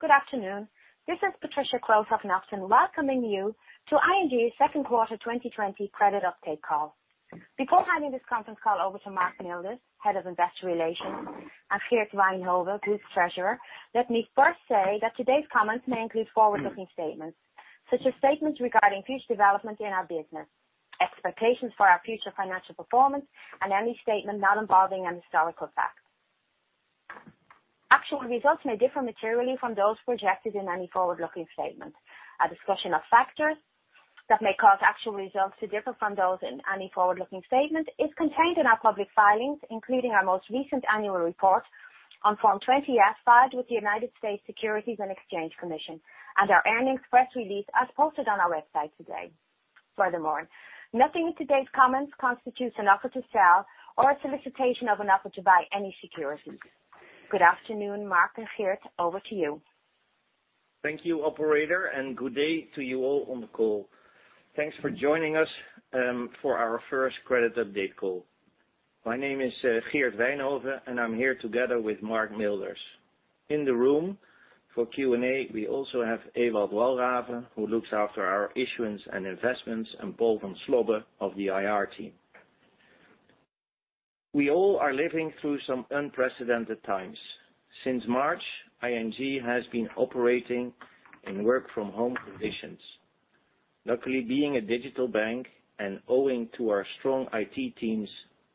Good afternoon. This is Patricia Kloosterhof-Naften welcoming you to ING's second quarter 2020 credit update call. Before handing this conference call over to Mark Milders, Head of Investor Relations, and Geert Wijnhoven, Group Treasurer, let me first say that today's comments may include forward-looking statements, such as statements regarding future development in our business, expectations for our future financial performance, and any statement not involving an historical fact. Actual results may differ materially from those projected in any forward-looking statement. A discussion of factors that may cause actual results to differ from those in any forward-looking statement is contained in our public filings, including our most recent annual report on Form 20-F filed with the United States Securities and Exchange Commission, and our earnings press release as posted on our website today. Nothing in today's comments constitutes an offer to sell or a solicitation of an offer to buy any securities. Good afternoon, Mark and Geert, over to you. Thank you, operator. Good day to you all on the call. Thanks for joining us for our first credit update call. My name is Geert Wijnhoven, and I'm here together with Mark Milders. In the room for Q&A, we also have Ewald Walraven, who looks after our issuance and investments, and Paul van Slobbe of the IR team. We all are living through some unprecedented times. Since March, ING has been operating in work-from-home conditions. Luckily, being a digital bank and owing to our strong IT teams,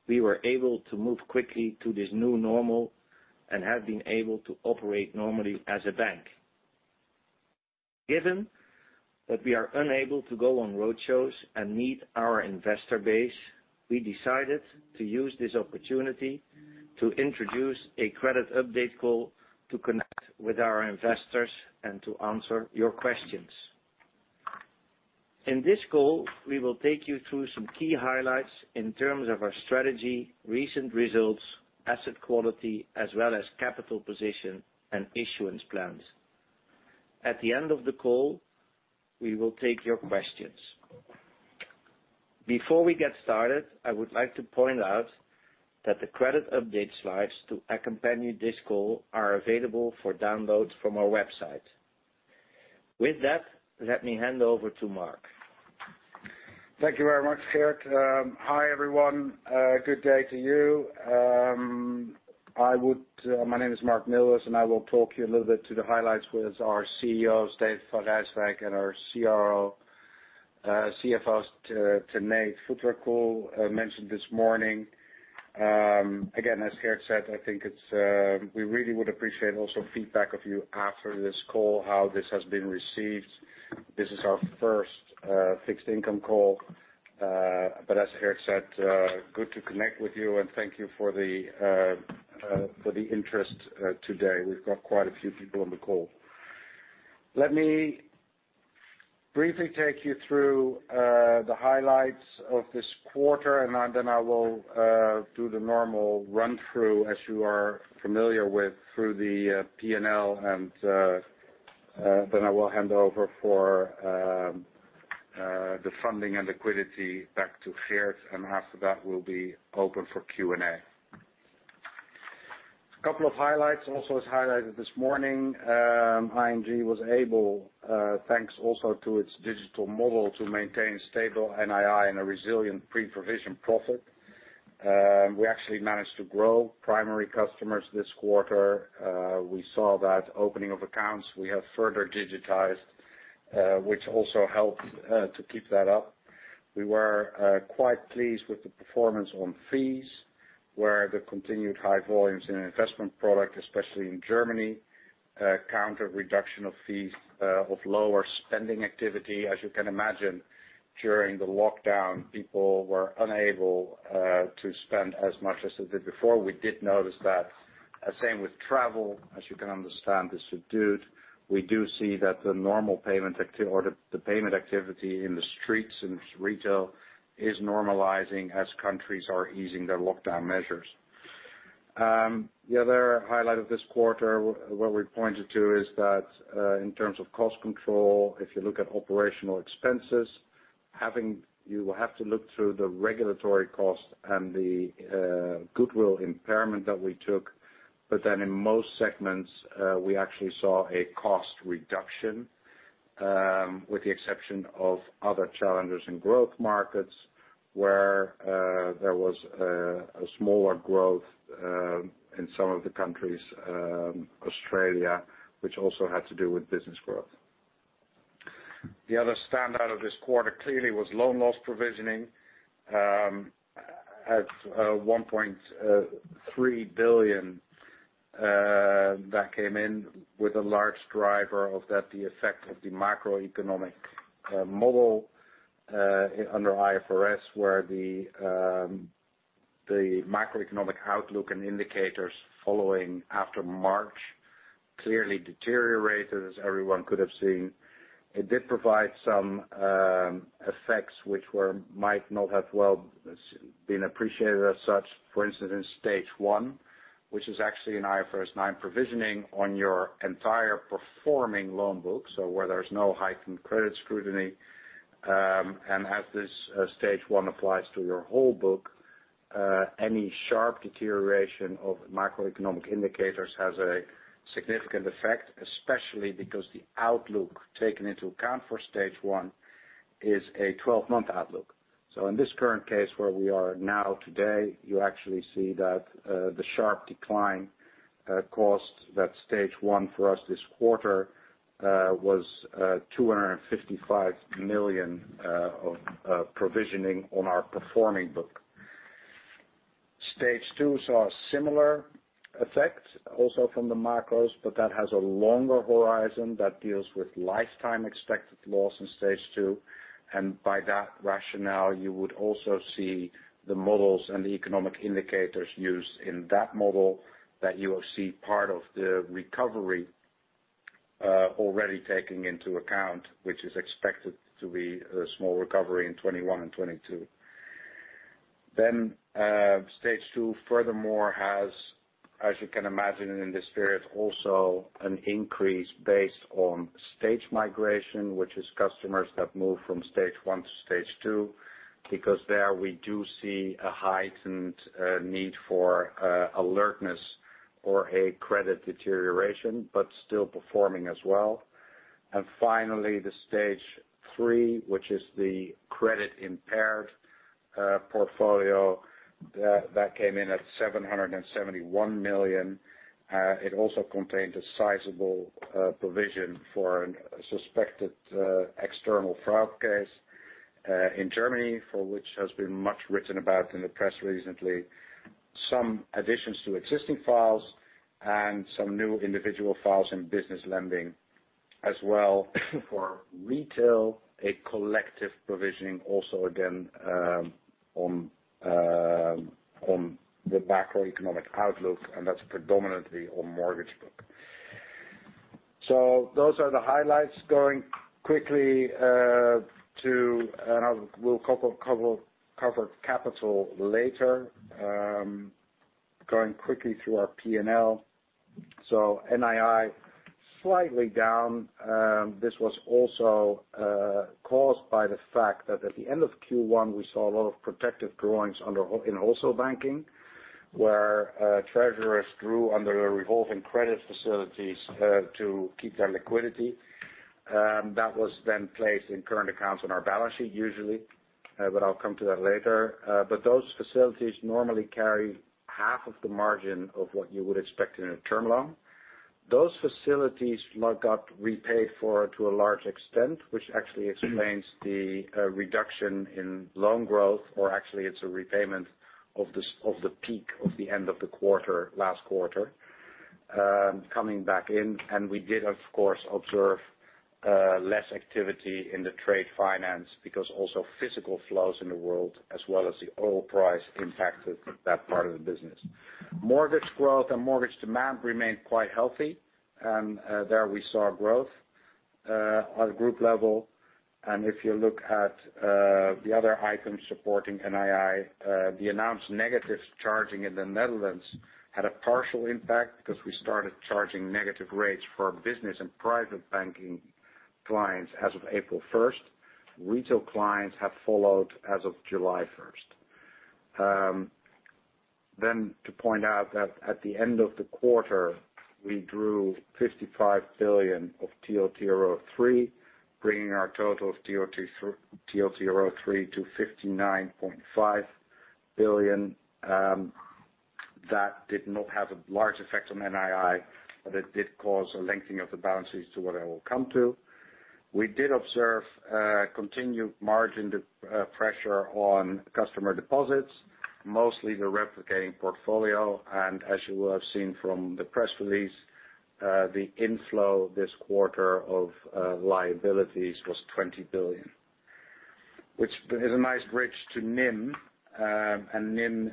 we were able to move quickly to this new normal and have been able to operate normally as a bank. Given that we are unable to go on roadshows and meet our investor base, we decided to use this opportunity to introduce a credit update call to connect with our investors and to answer your questions. In this call, we will take you through some key highlights in terms of our strategy, recent results, asset quality, as well as capital position and issuance plans. At the end of the call, we will take your questions. Before we get started, I would like to point out that the credit update slides to accompany this call are available for download from our website. With that, let me hand over to Mark. Thank you very much, Geert. Hi, everyone. Good day to you. My name is Mark Milders, and I will talk you a little bit to the highlights with our CEO, Steven van Rijswijk, and our CFO, Tanate Phutrakul, mentioned this morning. Again, as Geert said, I think we really would appreciate also feedback of you after this call, how this has been received. This is our first fixed income call. As Geert said good to connect with you and thank you for the interest today. We've got quite a few people on the call. Let me briefly take you through the highlights of this quarter, and then I will do the normal run-through as you are familiar with through the P&L, and then I will hand over for the funding and liquidity back to Geert, and after that, we'll be open for Q&A. A couple of highlights, also as highlighted this morning, ING was able, thanks also to its digital model, to maintain stable NII and a resilient pre-provision profit. We actually managed to grow primary customers this quarter. We saw that opening of accounts, we have further digitized, which also helped to keep that up. We were quite pleased with the performance on fees, where the continued high volumes in an investment product, especially in Germany, countered reduction of fees of lower spending activity. As you can imagine, during the lockdown, people were unable to spend as much as they did before. We did notice that. Same with travel, as you can understand, is subdued. We do see that the payment activity in the streets and retail is normalizing as countries are easing their lockdown measures. The other highlight of this quarter, where we pointed to, is that in terms of cost control, if you look at operational expenses, you have to look through the regulatory cost and the goodwill impairment that we took but then in most segments, we actually saw a cost reduction, with the exception of other challenges in growth markets, where there was a smaller growth in some of the countries, Australia, which also had to do with business growth. The other standout of this quarter clearly was loan loss provisioning at 1.3 billion. That came in with a large driver of that, the effect of the macroeconomic model under IFRS, where the macroeconomic outlook and indicators following after March clearly deteriorated, as everyone could have seen. It did provide some effects which might not have well been appreciated as such. For instance, Stage 1, which is actually an IFRS 9 provisioning on your entire performing loan book, where there's no heightened credit scrutiny. As this Stage 1 applies to your whole book, any sharp deterioration of macroeconomic indicators has a significant effect, especially because the outlook taken into account for Stage 1 is a 12-month outlook. In this current case where we are now today, you actually see that the sharp decline cost that Stage 1 for us this quarter was 255 million of provisioning on our performing book. Stage 2 saw a similar effect also from the macros, that has a longer horizon that deals with lifetime expected loss in Stage 2. By that rationale, you would also see the models and the economic indicators used in that model that you will see part of the recovery already taking into account, which is expected to be a small recovery in 2021 and 2022. Stage 2 furthermore has, as you can imagine in this period, also an increase based on stage migration, which is customers that move from Stage 1 to Stage 2, because there we do see a heightened need for alertness or a credit deterioration, but still performing as well. Finally, the Stage 3, which is the credit-impaired portfolio, that came in at 771 million. It also contained a sizable provision for a suspected external fraud case in Germany, for which has been much written about in the press recently. Some additions to existing files and some new individual files in business lending as well for retail, a collective provisioning also again on the macroeconomic outlook. That's predominantly on mortgage book. Those are the highlights. I will cover capital later. Going quickly through our P&L, so NII, slightly down. This was also caused by the fact that at the end of Q1, we saw a lot of protective drawings in Wholesale Banking, where treasurers drew under the revolving credit facilities to keep their liquidity. That was then placed in current accounts on our balance sheet usually. I'll come to that later. Those facilities normally carry half of the margin of what you would expect in a term loan. Those facilities got repaid for to a large extent, which actually explains the reduction in loan growth, or actually it's a repayment of the peak of the end of the quarter, last quarter coming back in. We did, of course, observe less activity in the trade finance because also physical flows in the world as well as the oil price impacted that part of the business. Mortgage growth and mortgage demand remained quite healthy, and there we saw growth at group level. If you look at the other items supporting NII, the announced negative charging in the Netherlands had a partial impact because we started charging negative rates for business and private banking clients as of April 1st. Retail clients have followed as of July 1st. To point out that at the end of the quarter, we drew 55 billion of TLTRO3, bringing our total of TLTRO3 to 59.5 billion. That did not have a large effect on NII, but it did cause a lengthening of the balances to what I will come to. We did observe continued margin pressure on customer deposits, mostly the replicating portfolio. As you will have seen from the press release, the inflow this quarter of liabilities was 20 billion, which is a nice bridge to NIM. NIM,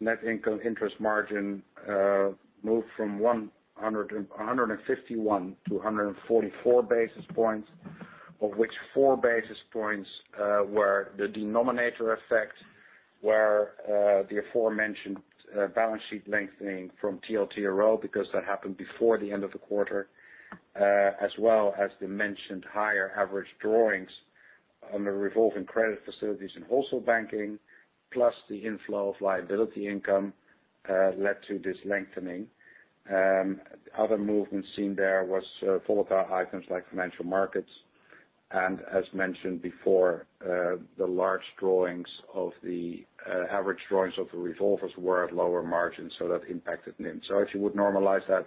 net income interest margin, moved from 151 to 144 basis points, of which 4 basis points were the denominator effect, where the aforementioned balance sheet lengthening from TLTRO because that happened before the end of the quarter, as well as the mentioned higher average drawings on the revolving credit facilities in Wholesale Banking, plus the inflow of liability income led to this lengthening. Other movements seen there was volatile items like financial markets. As mentioned before, the large average drawings of the revolvers were at lower margins, so that impacted NIM. If you would normalize that,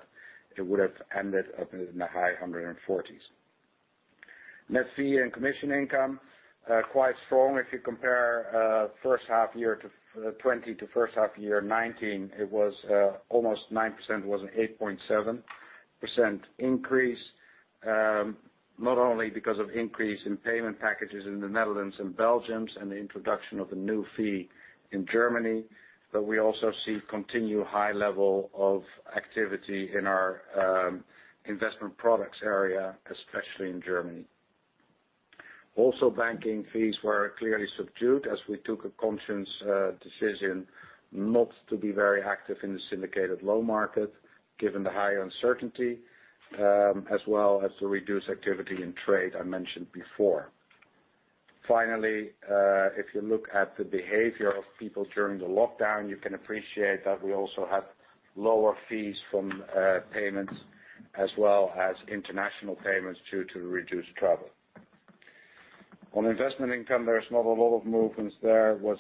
it would have ended up in the high 140s. Net fee and commission income, quite strong. If you compare first half year 2020 to first half year 2019, it was almost 9%, it was an 8.7% increase. Not only because of increase in payment packages in the Netherlands and Belgium and the introduction of a new fee in Germany, but we also see continued high level of activity in our investment products area, especially in Germany. Also, banking fees were clearly subdued as we took a conscious decision not to be very active in the syndicated loan market given the higher uncertainty, as well as the reduced activity in trade I mentioned before. Finally, if you look at the behavior of people during the lockdown, you can appreciate that we also have lower fees from payments as well as international payments due to reduced travel. On investment income, there's not a lot of movements there. It was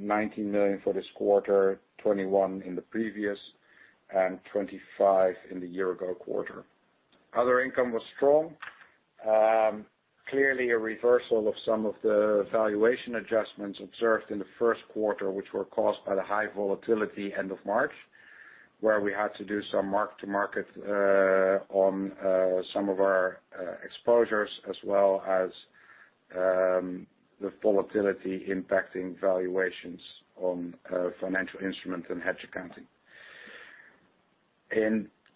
90 million for this quarter, 21 million in the previous, and 25 million in the year-ago quarter. Other income was strong. Clearly a reversal of some of the valuation adjustments observed in the first quarter, which were caused by the high volatility end of March, where we had to do some mark-to-market on some of our exposures as well as the volatility impacting valuations on financial instruments and hedge accounting.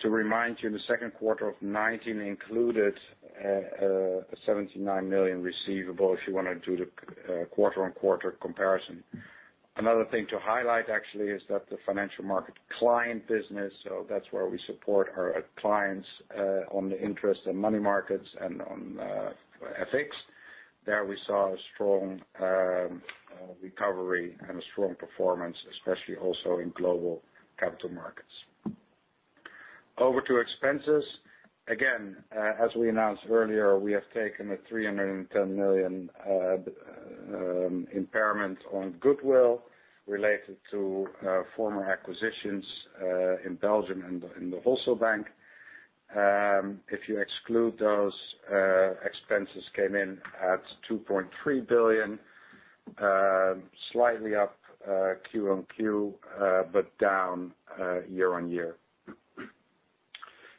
To remind you, the second quarter of 2019 included a 79 million receivable, if you want to do the quarter-on-quarter comparison. Another thing to highlight actually is that the financial market client business, so that's where we support our clients on the interest and money markets and on FX. There we saw a strong recovery and a strong performance, especially also in global capital markets. Over to expenses. Again, as we announced earlier, we have taken a 310 million impairment on goodwill related to former acquisitions in Belgium and in the Wholesale Bank. If you exclude those, expenses came in at 2.3 billion. Slightly up Q-on-Q, but down year-on-year.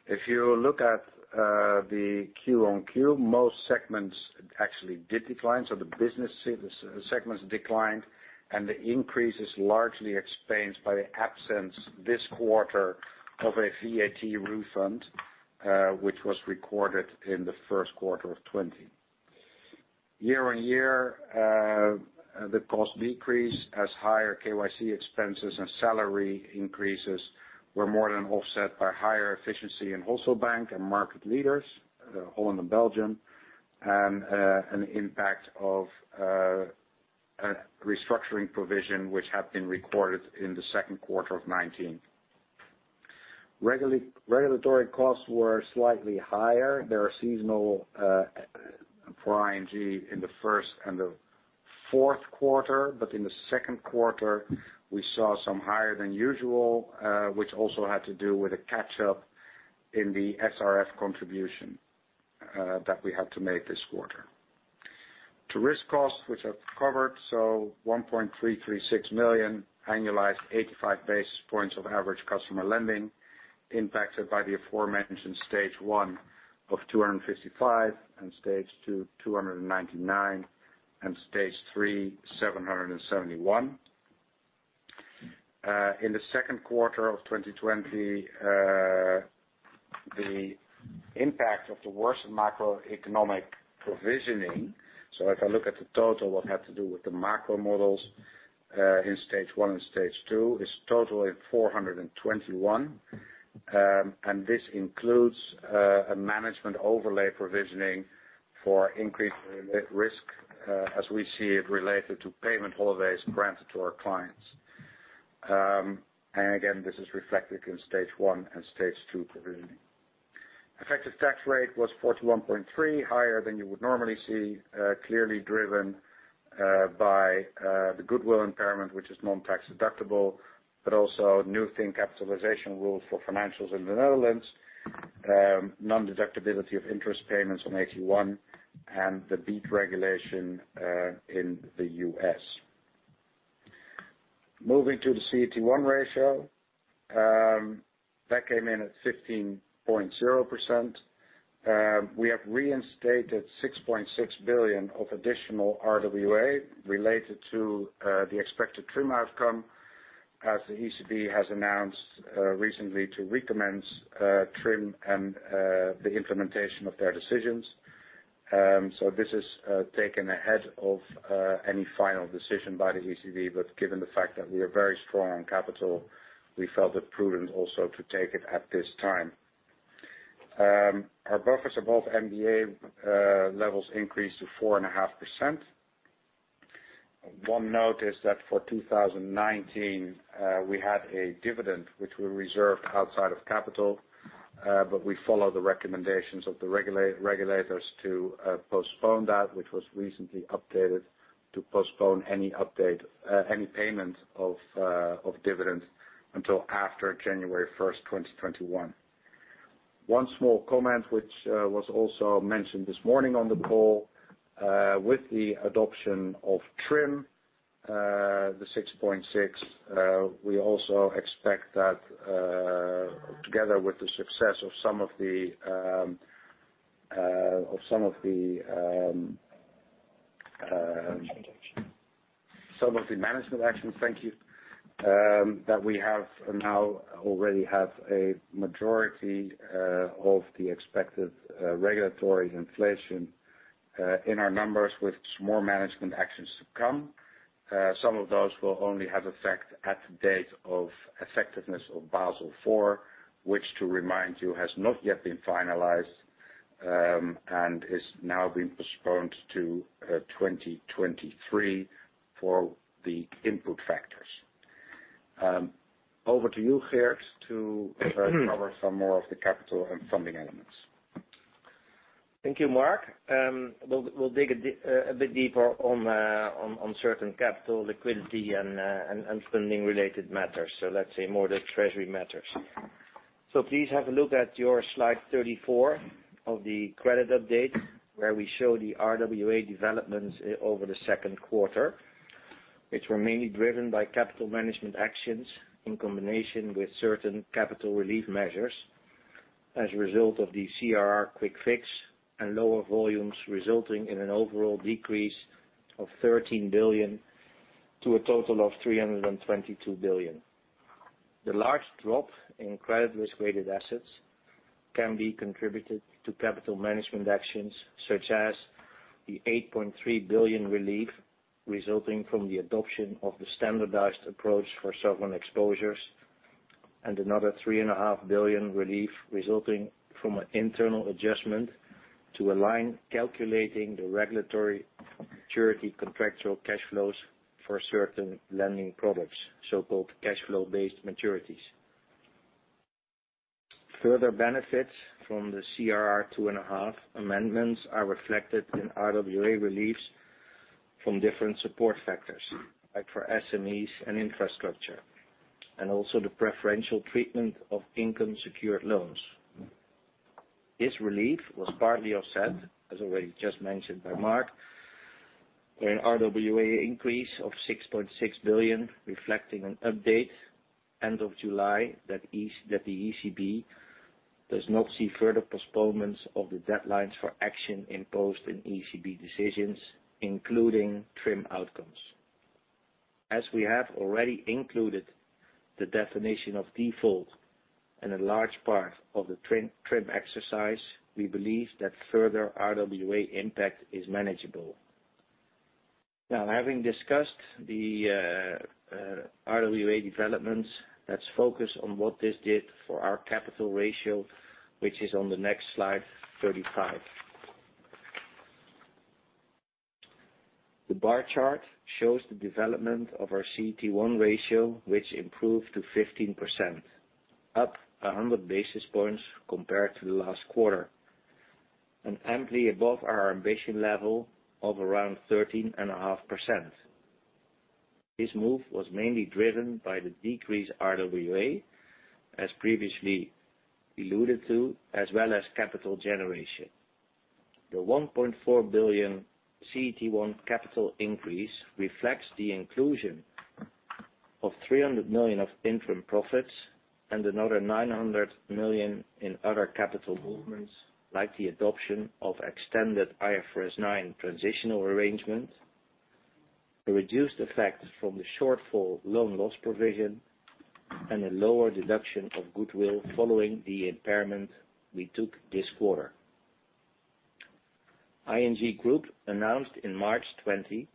If you look at the Q-on-Q, most segments actually did decline. The business segments declined and the increase is largely explained by the absence this quarter of a VAT refund, which was recorded in the first quarter of 2020. Year-on-year, the cost decrease as higher KYC expenses and salary increases were more than offset by higher efficiency in Wholesale Bank and Market Leaders, Holland and Belgium, and an impact of a restructuring provision which had been recorded in the second quarter of 2019. Regulatory costs were slightly higher. They are seasonal for ING in the first and the fourth quarter. In the second quarter we saw some higher than usual, which also had to do with a catch-up in the SRF contribution that we had to make this quarter. Risk costs, which I've covered, 1,336 million, annualized 85 basis points of average customer lending, impacted by the aforementioned Stage 1 of 255, and Stage 2, 299, and Stage 3, 771. In the second quarter of 2020, the impact of the worsened macroeconomic provisioning. If I look at the total, what had to do with the macro models, in Stage 1 and Stage 2 is total at 421. This includes a management overlay provisioning for increased risk as we see it related to payment holidays granted to our clients. Again, this is reflected in Stage 1 and Stage 2 provisioning. Effective tax rate was 41.3%, higher than you would normally see, clearly driven by the goodwill impairment, which is non-tax-deductible, but also new thin capitalization rule for financials in the Netherlands, non-deductibility of interest payments on AT1, and the BEAT regulation in the U.S. Moving to the CET1 ratio. That came in at 15.0%. We have reinstated 6.6 billion of additional RWA related to the expected TRIM outcome, as the ECB has announced recently to recommence TRIM and the implementation of their decisions. This is taken ahead of any final decision by the ECB, but given the fact that we are very strong on capital, we felt it prudent also to take it at this time. Our buffers above MDA levels increased to 4.5%. One note is that for 2019, we had a dividend which we reserved outside of capital, but we follow the recommendations of the regulators to postpone that, which was recently updated to postpone any payment of dividends until after January 1st, 2021. One small comment, which was also mentioned this morning on the call. With the adoption of TRIM, the 6.6, we also expect that together with the success of some of the management actions, thank you, that we now already have a majority of the expected regulatory inflation in our numbers with more management actions to come. Some of those will only have effect at the date of effectiveness of Basel I, which to remind you, has not yet been finalized, and is now being postponed to 2023 for the input factors. Over to you, Geert, to cover some more of the capital and funding elements. Thank you, Mark. We'll dig a bit deeper on certain capital liquidity and funding related matters, so let's say more the treasury matters. Please have a look at your slide 34 of the credit update, where we show the RWA developments over the second quarter, which were mainly driven by capital management actions in combination with certain capital relief measures as a result of the CRR quick fix and lower volumes, resulting in an overall decrease of 13 billion to a total of 322 billion. The large drop in credit risk-weighted assets can be contributed to capital management actions, such as the 8.3 billion relief resulting from the adoption of the standardized approach for sovereign exposures and another 3,500,000,000 relief resulting from an internal adjustment to align calculating the regulatory maturity contractual cash flows for certain lending products, so-called cashflow-based maturities. Further benefits from the CRR two-and-a half amendments are reflected in RWA reliefs from different support factors, like for SMEs and infrastructure, and also the preferential treatment of income-secured loans. This relief was partly offset, as already just mentioned by Mark, by an RWA increase of 6.6 billion, reflecting an update end of July that the ECB does not see further postponements of the deadlines for action imposed in ECB decisions, including TRIM outcomes. As we have already included the definition of default in a large part of the TRIM exercise, we believe that further RWA impact is manageable. Now, having discussed the RWA developments, let's focus on what this did for our capital ratio, which is on the next slide 35. The bar chart shows the development of our CET1 ratio, which improved to 15%, up 100 basis points compared to the last quarter, and amply above our ambition level of around 13.5%. This move was mainly driven by the decreased RWA, as previously alluded to, as well as capital generation. The 1.4 billion CET1 capital increase reflects the inclusion of 300 million of interim profits and another 900 million in other capital movements, like the adoption of extended IFRS 9 transitional arrangement, a reduced effect from the shortfall loan loss provision, and a lower deduction of goodwill following the impairment we took this quarter. ING Group announced in March 2020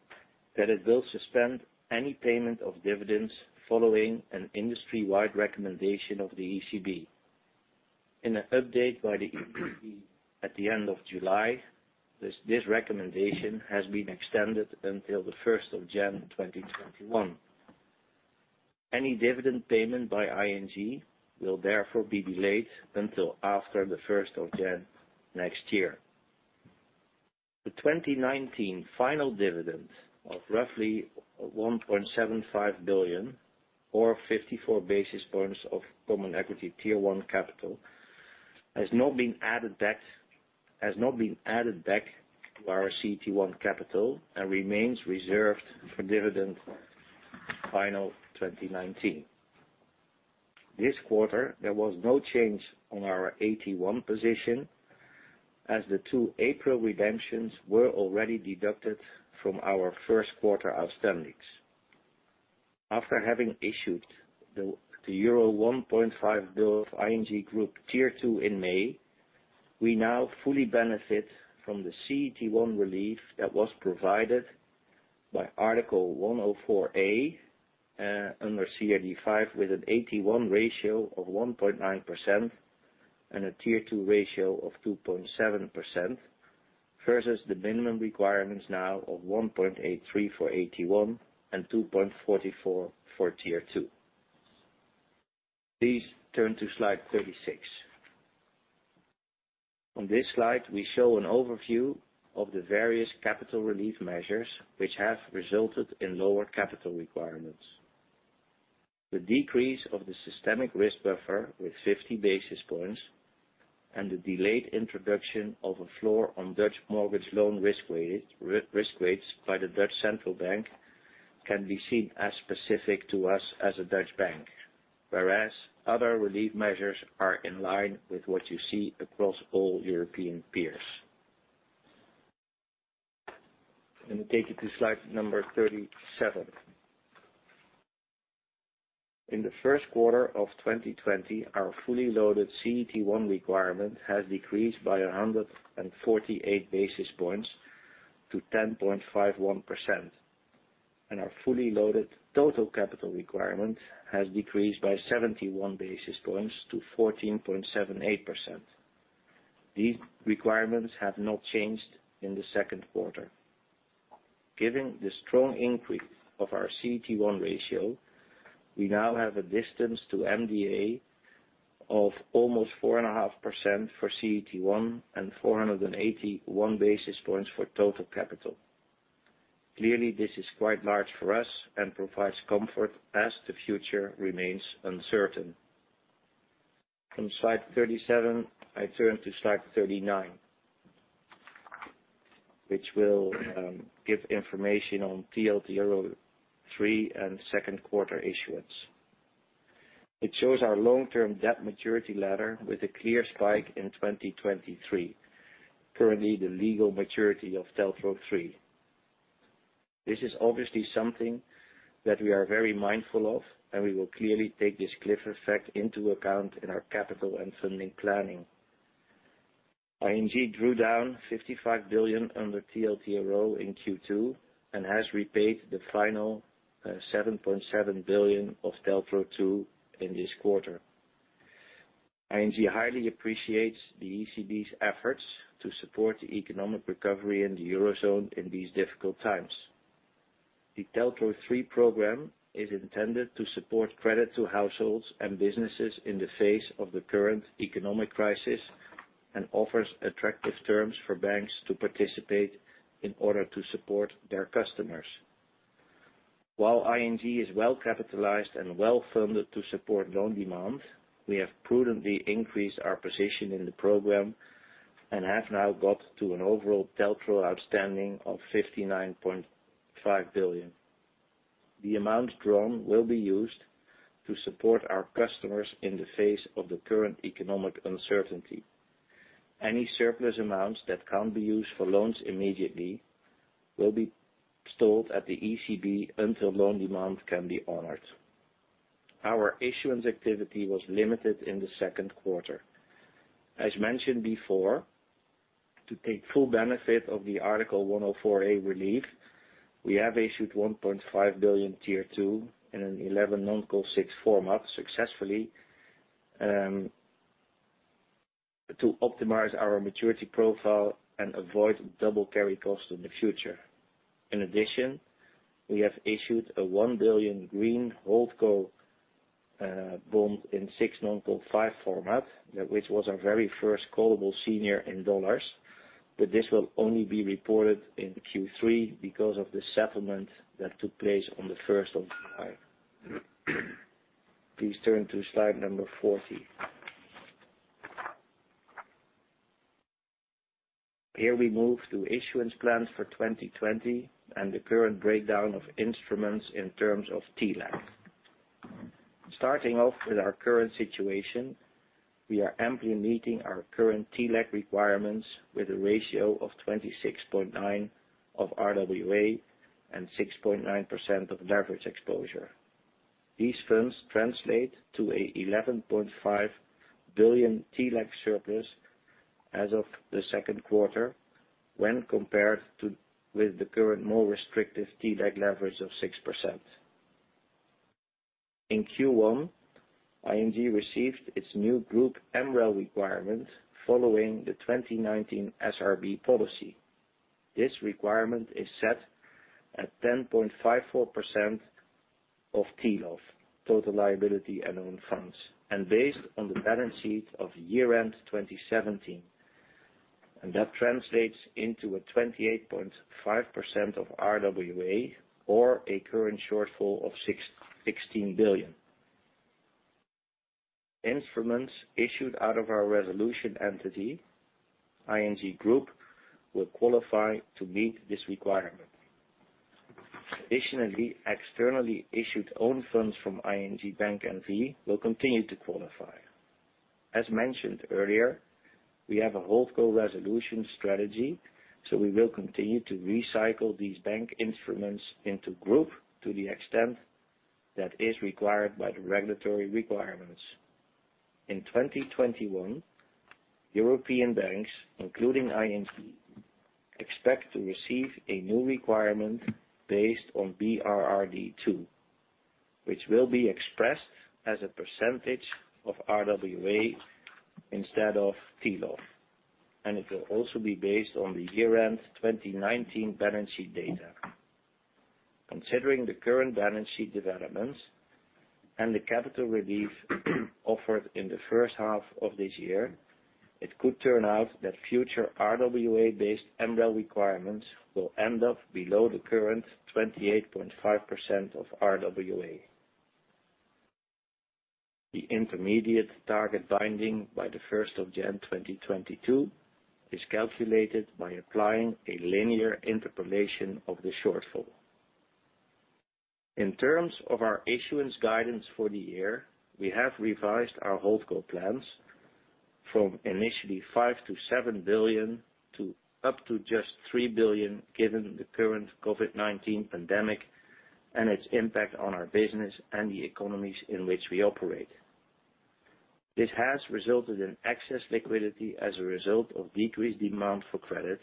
that it will suspend any payment of dividends following an industry-wide recommendation of the ECB. In an update by the ECB at the end of July, this recommendation has been extended until the 1st of January 2021. Any dividend payment by ING will therefore be delayed until after the 1st of January next year. The 2019 final dividend of roughly 1.75 billion or 54 basis points of Common Equity Tier 1 capital has not been added back to our CET1 capital and remains reserved for dividend final 2019. This quarter, there was no change on our AT1 position as the two April redemptions were already deducted from our first quarter outstandings. After having issued the euro 1.5 billion of ING Group Tier 2 in May, we now fully benefit from the CET1 relief that was provided by Article 104a under CRD V with an AT1 ratio of 1.9% and a Tier 2 ratio of 2.7%, versus the minimum requirements now of 1.83 for AT1 and 2.44 for Tier 2. Please turn to slide 36. On this slide, we show an overview of the various capital relief measures which have resulted in lower capital requirements. The decrease of the systemic risk buffer with 50 basis points and the delayed introduction of a floor on Dutch mortgage loan risk weights by the Dutch Central Bank can be seen as specific to us as a Dutch Bank, whereas other relief measures are in line with what you see across all European peers. Let me take you to slide number 37. In the first quarter of 2020, our fully loaded CET1 requirement has decreased by 148 basis points to 10.51%. Our fully loaded total capital requirement has decreased by 71 basis points to 14.78%. These requirements have not changed in the second quarter. Given the strong increase of our CET1 ratio, we now have a distance to MDA of almost 4.5% for CET1 and 481 basis points for total capital. Clearly, this is quite large for us and provides comfort as the future remains uncertain. From slide 37, I turn to slide 39, which will give information on TLTRO3 and second quarter issuance. It shows our long-term debt maturity ladder with a clear spike in 2023, currently the legal maturity of TLTRO3. This is obviously something that we are very mindful of, and we will clearly take this cliff effect into account in our capital and funding planning. ING drew down 55 billion under TLTRO in Q2 and has repaid the final 7.7 billion of TLTRO2 in this quarter. ING highly appreciates the ECB's efforts to support the economic recovery in the Eurozone in these difficult times. The TLTRO3 program is intended to support credit to households and businesses in the face of the current economic crisis, and offers attractive terms for banks to participate in order to support their customers. While ING is well-capitalized and well-funded to support loan demand, we have prudently increased our position in the program and have now got to an overall TLTRO outstanding of 59.5 billion. The amount drawn will be used to support our customers in the face of the current economic uncertainty. Any surplus amounts that can't be used for loans immediately will be stored at the ECB until loan demand can be honored. Our issuance activity was limited in the second quarter. As mentioned before, to take full benefit of the Article 104a relief, we have issued 1.5 billion Tier 2 in an 11 Non-Call 6 format successfully, to optimize our maturity profile and avoid double carry cost in the future. In addition, we have issued a $1 billion green HoldCo bond in six Non-Call 5 format, which was our very first callable senior in dollars. This will only be reported in Q3 because of the settlement that took place on the 1st of July. Please turn to slide number 40. Here we move to issuance plans for 2020 and the current breakdown of instruments in terms of TLAC. Starting off with our current situation, we are amply meeting our current TLAC requirements with a ratio of 26.9% of RWA and 6.9% of leverage exposure. These funds translate to a 11.5 billion TLAC surplus as of the second quarter, when compared with the current more restrictive TLAC leverage of 6%. In Q1, ING received its new group MREL requirement following the 2019 SRB policy. This requirement is set at 10.54% of TLOF, total liability and own funds. Based on the balance sheet of year-end 2017 and that translates into a 28.5% of RWA or a current shortfall of 16 billion. Instruments issued out of our resolution entity, ING Group, will qualify to meet this requirement. Additionally, externally issued own funds from ING Bank N.V. will continue to qualify. As mentioned earlier, we have a HoldCo resolution strategy. We will continue to recycle these bank instruments into group to the extent that is required by the regulatory requirements. In 2021, European banks, including ING, expect to receive a new requirement based on BRRD2, which will be expressed as a percentage of RWA instead of TLOF and it will also be based on the year-end 2019 balance sheet data. Considering the current balance sheet developments and the capital relief offered in the first half of this year, it could turn out that future RWA-based MREL requirements will end up below the current 28.5% of RWA. The intermediate target binding by the 1st of January 2022 is calculated by applying a linear interpolation of the shortfall. In terms of our issuance guidance for the year, we have revised our HoldCo plans from initially 5 billion-7 billion to up to just 3 billion, given the current COVID-19 pandemic and its impact on our business and the economies in which we operate, this has resulted in excess liquidity as a result of decreased demand for credit,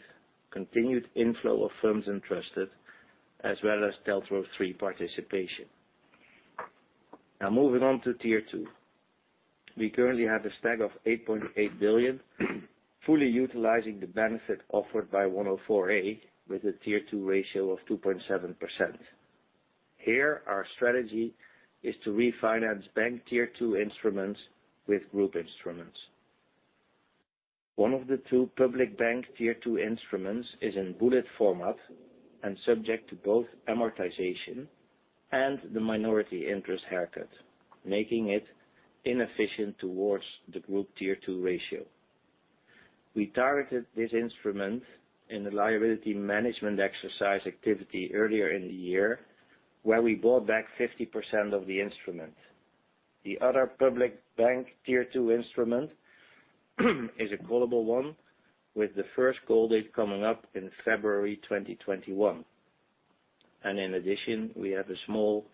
continued inflow of firms entrusted, as well as TLTRO3 participation. Now, moving on to Tier 2. We currently have a stack of 8.8 billion, fully utilizing the benefit offered by Article 104a with a Tier 2 ratio of 2.7%. Here, our strategy is to refinance bank Tier 2 instruments with group instruments. One of the two public bank Tier 2 instruments is in bullet format and subject to both amortization and the minority interest haircut, making it inefficient towards the group Tier 2 ratio. We targeted this instrument in the liability management exercise activity earlier in the year, where we bought back 50% of the instrument. The other public bank Tier 2 instrument is a callable one, with the first call date coming up in February 2021. In addition, we have a small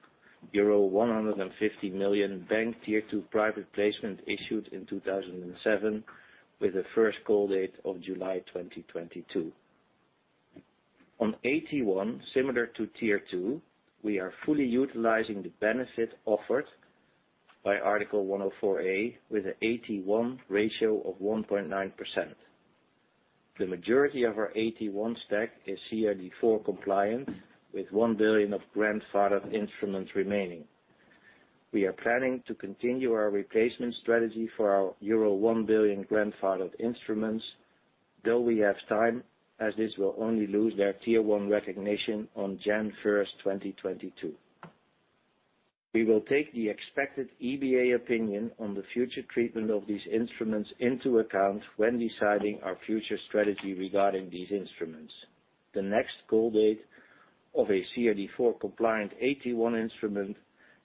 euro 150 million bank Tier 2 private placement issued in 2007 with a first call date of July 2022. On AT1, similar to Tier 2, we are fully utilizing the benefit offered by Article 104a with an AT1 ratio of 1.9%. The majority of our AT1 stack is CRD IV compliant, with 1 billion of grandfathered instruments remaining. We are planning to continue our replacement strategy for our euro 1 billion grandfathered instruments, though we have time, as this will only lose their Tier 1 recognition on January 1st, 2022. We will take the expected EBA opinion on the future treatment of these instruments into account when deciding our future strategy regarding these instruments. The next call date of a CRD IV compliant AT1 instrument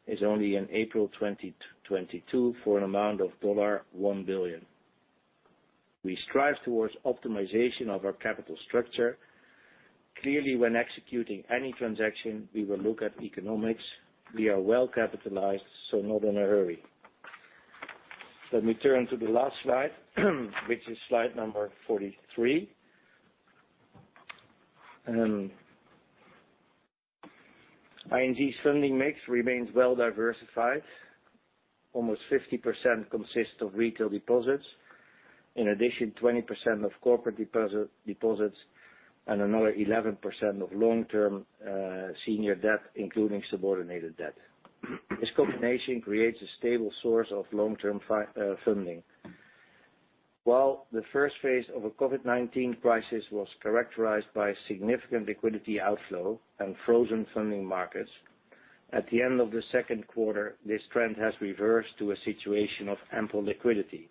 is only in April 2022 for an amount of $1 billion. We strive towards optimization of our capital structure. Clearly, when executing any transaction, we will look at economics. We are well-capitalized, so not in a hurry. Let me turn to the last slide, which is slide number 43. ING's funding mix remains well-diversified. Almost 50% consists of retail deposits. In addition, 20% of corporate deposits, and another 11% of long-term senior debt, including subordinated debt. This combination creates a stable source of long-term funding. While the first phase of a COVID-19 crisis was characterized by significant liquidity outflow and frozen funding markets, at the end of the second quarter, this trend has reversed to a situation of ample liquidity.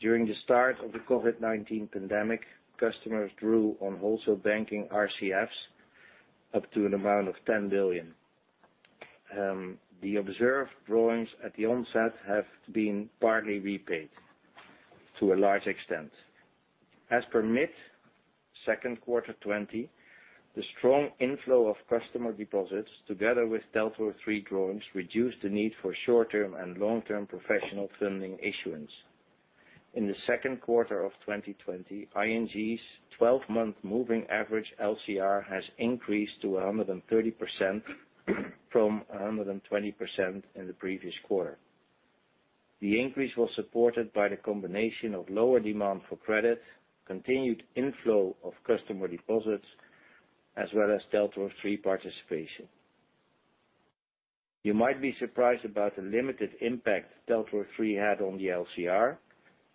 During the start of the COVID-19 pandemic, customers drew on wholesale banking RCFs up to an amount of 10 billion. The observed drawings at the onset have been partly repaid to a large extent. As per mid second quarter 2020, the strong inflow of customer deposits, together with TLTRO3 drawings, reduced the need for short-term and long-term professional funding issuance. In the second quarter of 2020, ING's 12-month moving average LCR has increased to 130% from 120% in the previous quarter. The increase was supported by the combination of lower demand for credit, continued inflow of customer deposits, as well as TLTRO3 participation. You might be surprised about the limited impact TLTRO3 had on the LCR,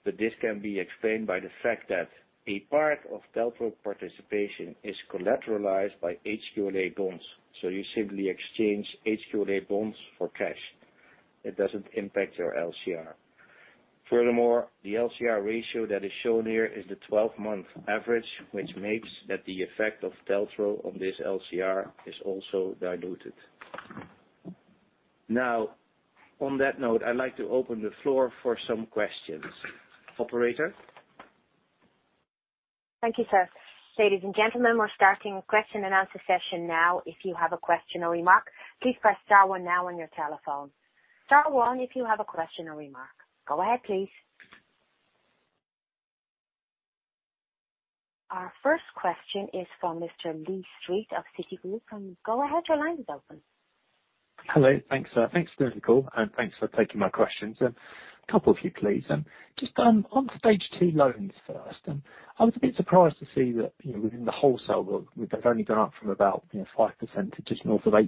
but this can be explained by the fact that a part of TLTRO participation is collateralized by HQLA bonds, so you simply exchange HQLA bonds for cash. It doesn't impact your LCR. Furthermore, the LCR ratio that is shown here is the 12-month average, which makes that the effect of TLTRO on this LCR is also diluted. Now, on that note, I'd like to open the floor for some questions. Operator? Thank you, sir. Ladies and gentlemen, we're starting the question-and-answer session now. If you have a question or remark, please press star one now on your telephone. Star one if you have a question or remark. Go ahead, please. Our first question is from Mr. Lee Street of Citigroup. Go ahead, your line is open. Hello. Thanks. Thanks for the call, and thanks for taking my questions. A couple of few, please. Just on Stage 2 loans first. I was a bit surprised to see that within the wholesale book, they've only gone up from about 5% to just north of 8%,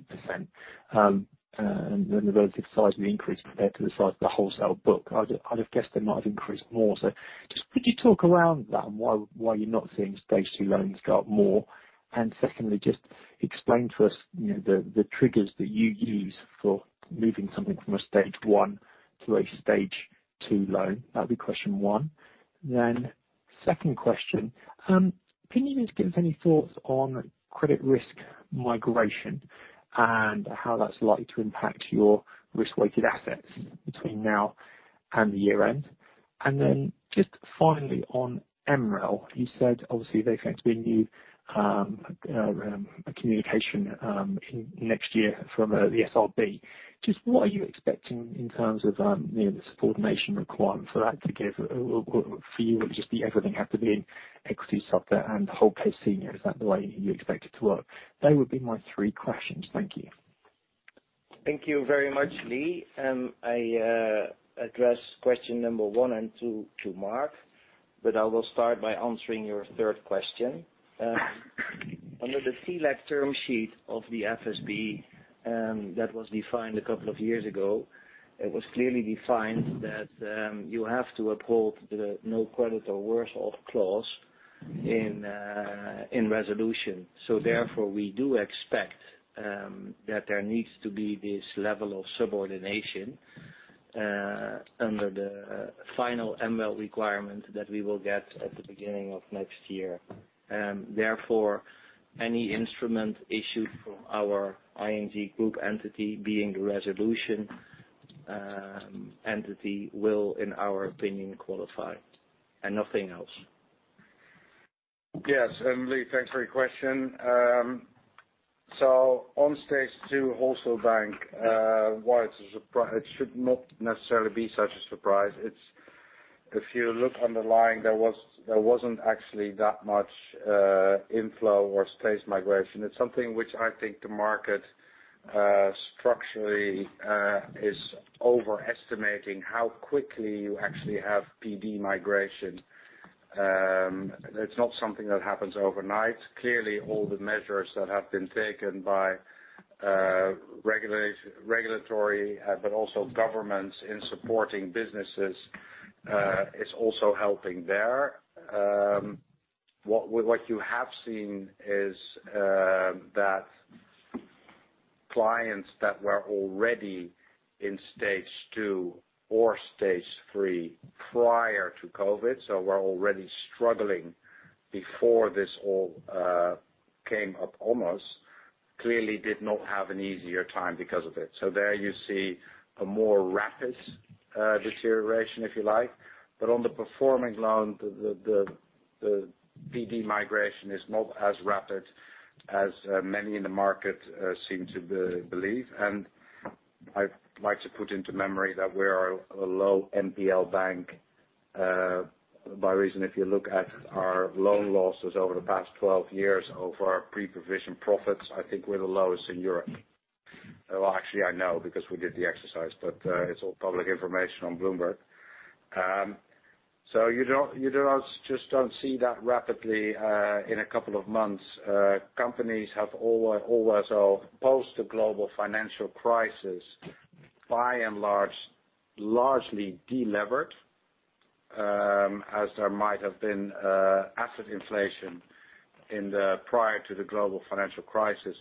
and then the relative size of the increase compared to the size of the wholesale book. I'd have guessed they might have increased more. Just could you talk around that and why you're not seeing Stage 2 loans go up more? Secondly, just explain to us the triggers that you use for moving something from a Stage 1 to a Stage 2 loan. That'll be question one. Then second question. Can you just give us any thoughts on credit risk migration and how that's likely to impact your risk-weighted assets between now and the year end? And then just finally on MREL, you said, obviously, there's going to be a new communication next year from the SRB. Just what are you expecting in terms of the subordination requirement for that to give, for you, would just be everything have to be in equity sub and the whole senior, is that the way you expect it to work? They would be my three questions. Thank you. Thank you very much, Lee. I address question number one and two to Mark. I will start by answering your third question. Under the CECL term sheet of the FSB, that was defined a couple of years ago, it was clearly defined that you have to uphold the no credit or worse off clause in resolution. Therefore, we do expect that there needs to be this level of subordination under the final MREL requirement that we will get at the beginning of next year. Therefore, any instrument issued from our ING Group entity being the resolution entity will, in our opinion, qualify and nothing else. Yes. Lee, thanks for your question. On Stage 2 Wholesale Bank, why it should not necessarily be such a surprise. If you look underlying, there wasn't actually that much inflow or stage migration. It's something which I think the market structurally is overestimating how quickly you actually have PD migration. It's not something that happens overnight. Clearly, all the measures that have been taken by regulatory, but also governments in supporting businesses, is also helping there. What you have seen is that clients that were already in Stage 2 or Stage 3 prior to COVID-19, so were already struggling before this all came up, almost, clearly did not have an easier time because of it. There you see a more rapid deterioration, if you like. On the performing loan, the PD migration is not as rapid as many in the market seem to believe. I'd like to put into memory that we are a low NPL bank. By reason, if you look at our loan losses over the past 12 years of our pre-provision profits, I think we're the lowest in Europe. Well, actually, I know because we did the exercise, but it's all public information on Bloomberg. You just don't see that rapidly in a couple of months. Companies have always, post the global financial crisis, by and large, largely delevered, as there might have been asset inflation prior to the global financial crisis.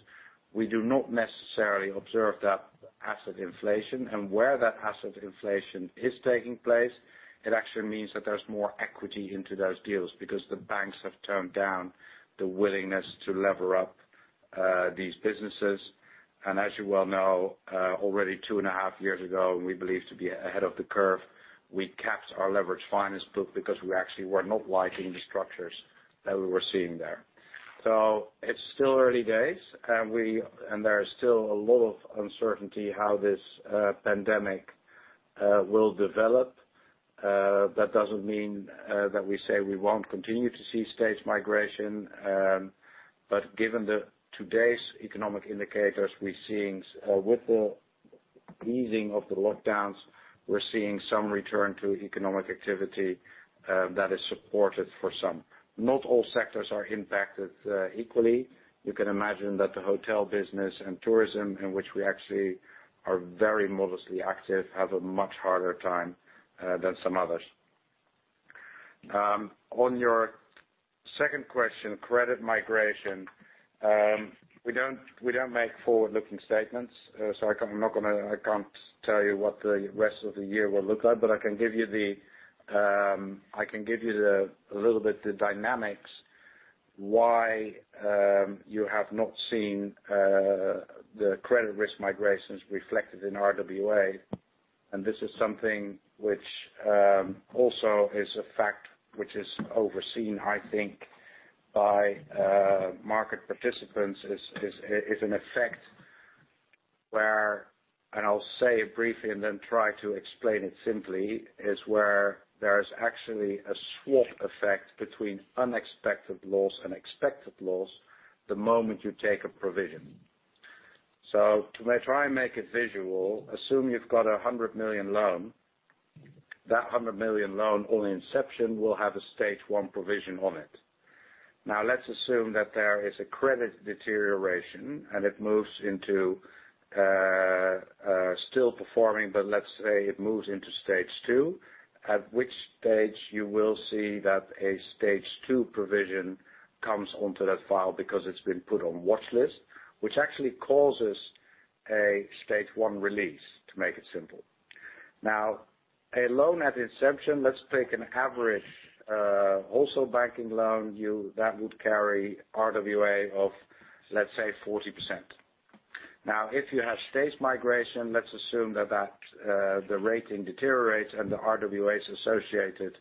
We do not necessarily observe that asset inflation. Where that asset inflation is taking place, it actually means that there's more equity into those deals because the banks have turned down the willingness to lever up these businesses. As you well know, already two and a half years ago, we believed to be ahead of the curve. We capped our leveraged finance book because we actually were not liking the structures that we were seeing there. It's still early days, and there is still a lot of uncertainty how this pandemic will develop. That doesn't mean that we say we won't continue to see stage migration. Given the today's economic indicators we're seeing with the easing of the lockdowns, we're seeing some return to economic activity that is supported for some. Not all sectors are impacted equally. You can imagine that the hotel business and tourism, in which we actually are very modestly active, have a much harder time than some others. On your second question, credit migration, we don't make forward-looking statements so I can't tell you what the rest of the year will look like, but I can give you a little bit the dynamics why you have not seen the credit risk migrations reflected in RWA. This is something which also is a fact which is overseen, I think, by market participants, is an effect where, and I'll say it briefly and then try to explain it simply, is where there's actually a swap effect between unexpected loss and expected loss the moment you take a provision. To try and make it visual, assume you've got 100 million loan, that 100 million loan on inception will have a Stage 1 provision on it. Now, let's assume that there is a credit deterioration and it moves into still performing, but let's say it moves into Stage 2, at which stage you will see that a Stage 2 provision comes onto that file because it's been put on watchlist, which actually causes a Stage 1 release, to make it simple. Now, a loan at inception, let's take an average wholesale banking loan that would carry RWA of, let's say, 40%. Now, if you have stage migration, let's assume that the rating deteriorates and the RWA associated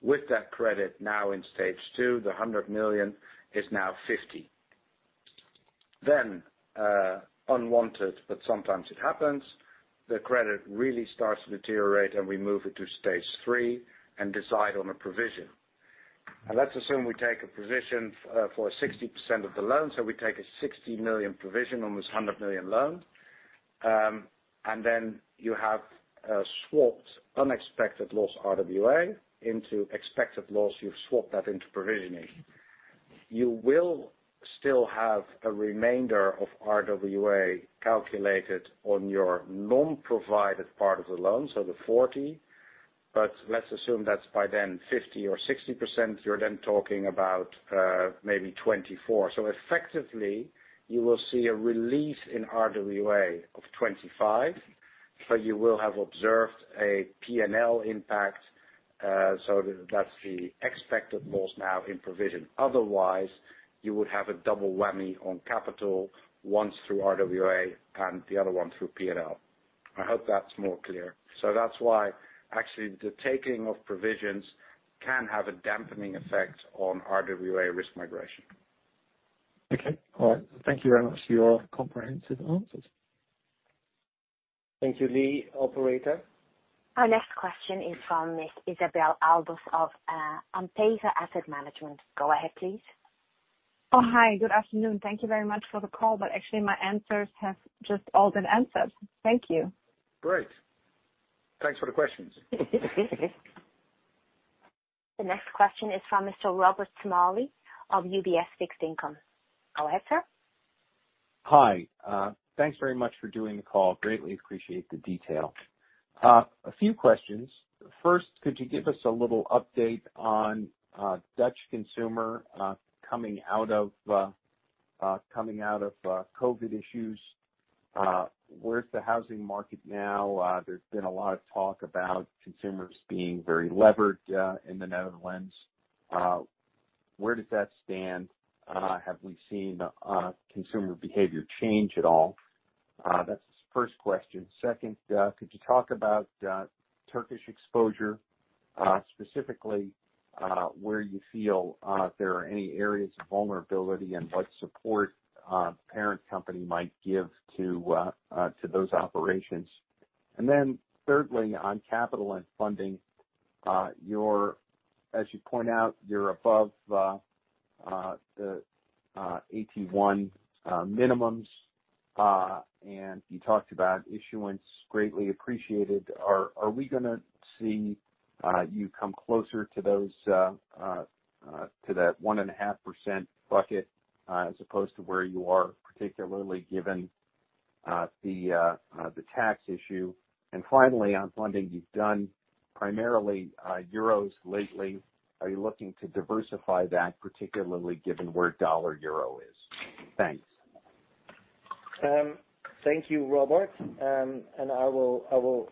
with that credit now in Stage 2, the 100 million, is now 50 million. Unwanted, but sometimes it happens, the credit really starts to deteriorate, and we move it to Stage 3 and decide on a provision. And let's assume we take a provision for 60% of the loan, so we take a 60 million provision on this 100 million loan, and then you have swapped unexpected loss RWA into expected loss. You've swapped that into provisioning. You will still have a remainder of RWA calculated on your non-provided part of the loan, so the 40 million, but let's assume that's by then 50% or 60%, you're then talking about maybe 24 million. Effectively, you will see a release in RWA of 25 million, but you will have observed a P&L impact, so that's the expected loss now in provision. Otherwise, you would have a double whammy on capital, once through RWA and the other one through P&L. I hope that's more clear. That's why actually the taking of provisions can have a dampening effect on RWA risk migration. Okay. All right. Thank you very much for your comprehensive answers. Thank you, Lee. Operator? Our next question is from Isabell Albus of Ampega Asset Management. Go ahead, please. Oh, hi. Good afternoon. Thank you very much for the call, but actually my answers have just all been answered. Thank you. Great. Thanks for the questions. The next question is from Mr. Robert Smalley of UBS Fixed Income. Go ahead, sir. Hi. Thanks very much for doing the call. Greatly appreciate the detail. A few questions. First, could you give us a little update on Dutch consumer coming out of COVID-19 issues? Where's the housing market now? There's been a lot of talk about consumers being very levered in the Netherlands. Where does that stand? Have we seen consumer behavior change at all? That's the first question. Second, could you talk about Turkish exposure, specifically, where you feel there are any areas of vulnerability and what support parent company might give to those operations? Thirdly, on capital and funding, as you point out, you're above the AT1 minimums, and you talked about issuance, greatly appreciated. Are we going to see you come closer to that 1.5% bucket as opposed to where you are, particularly given the tax issue? Finally, on funding, you've done primarily euros lately. Are you looking to diversify that, particularly given where dollar-euros is? Thanks. Thank you, Robert. I will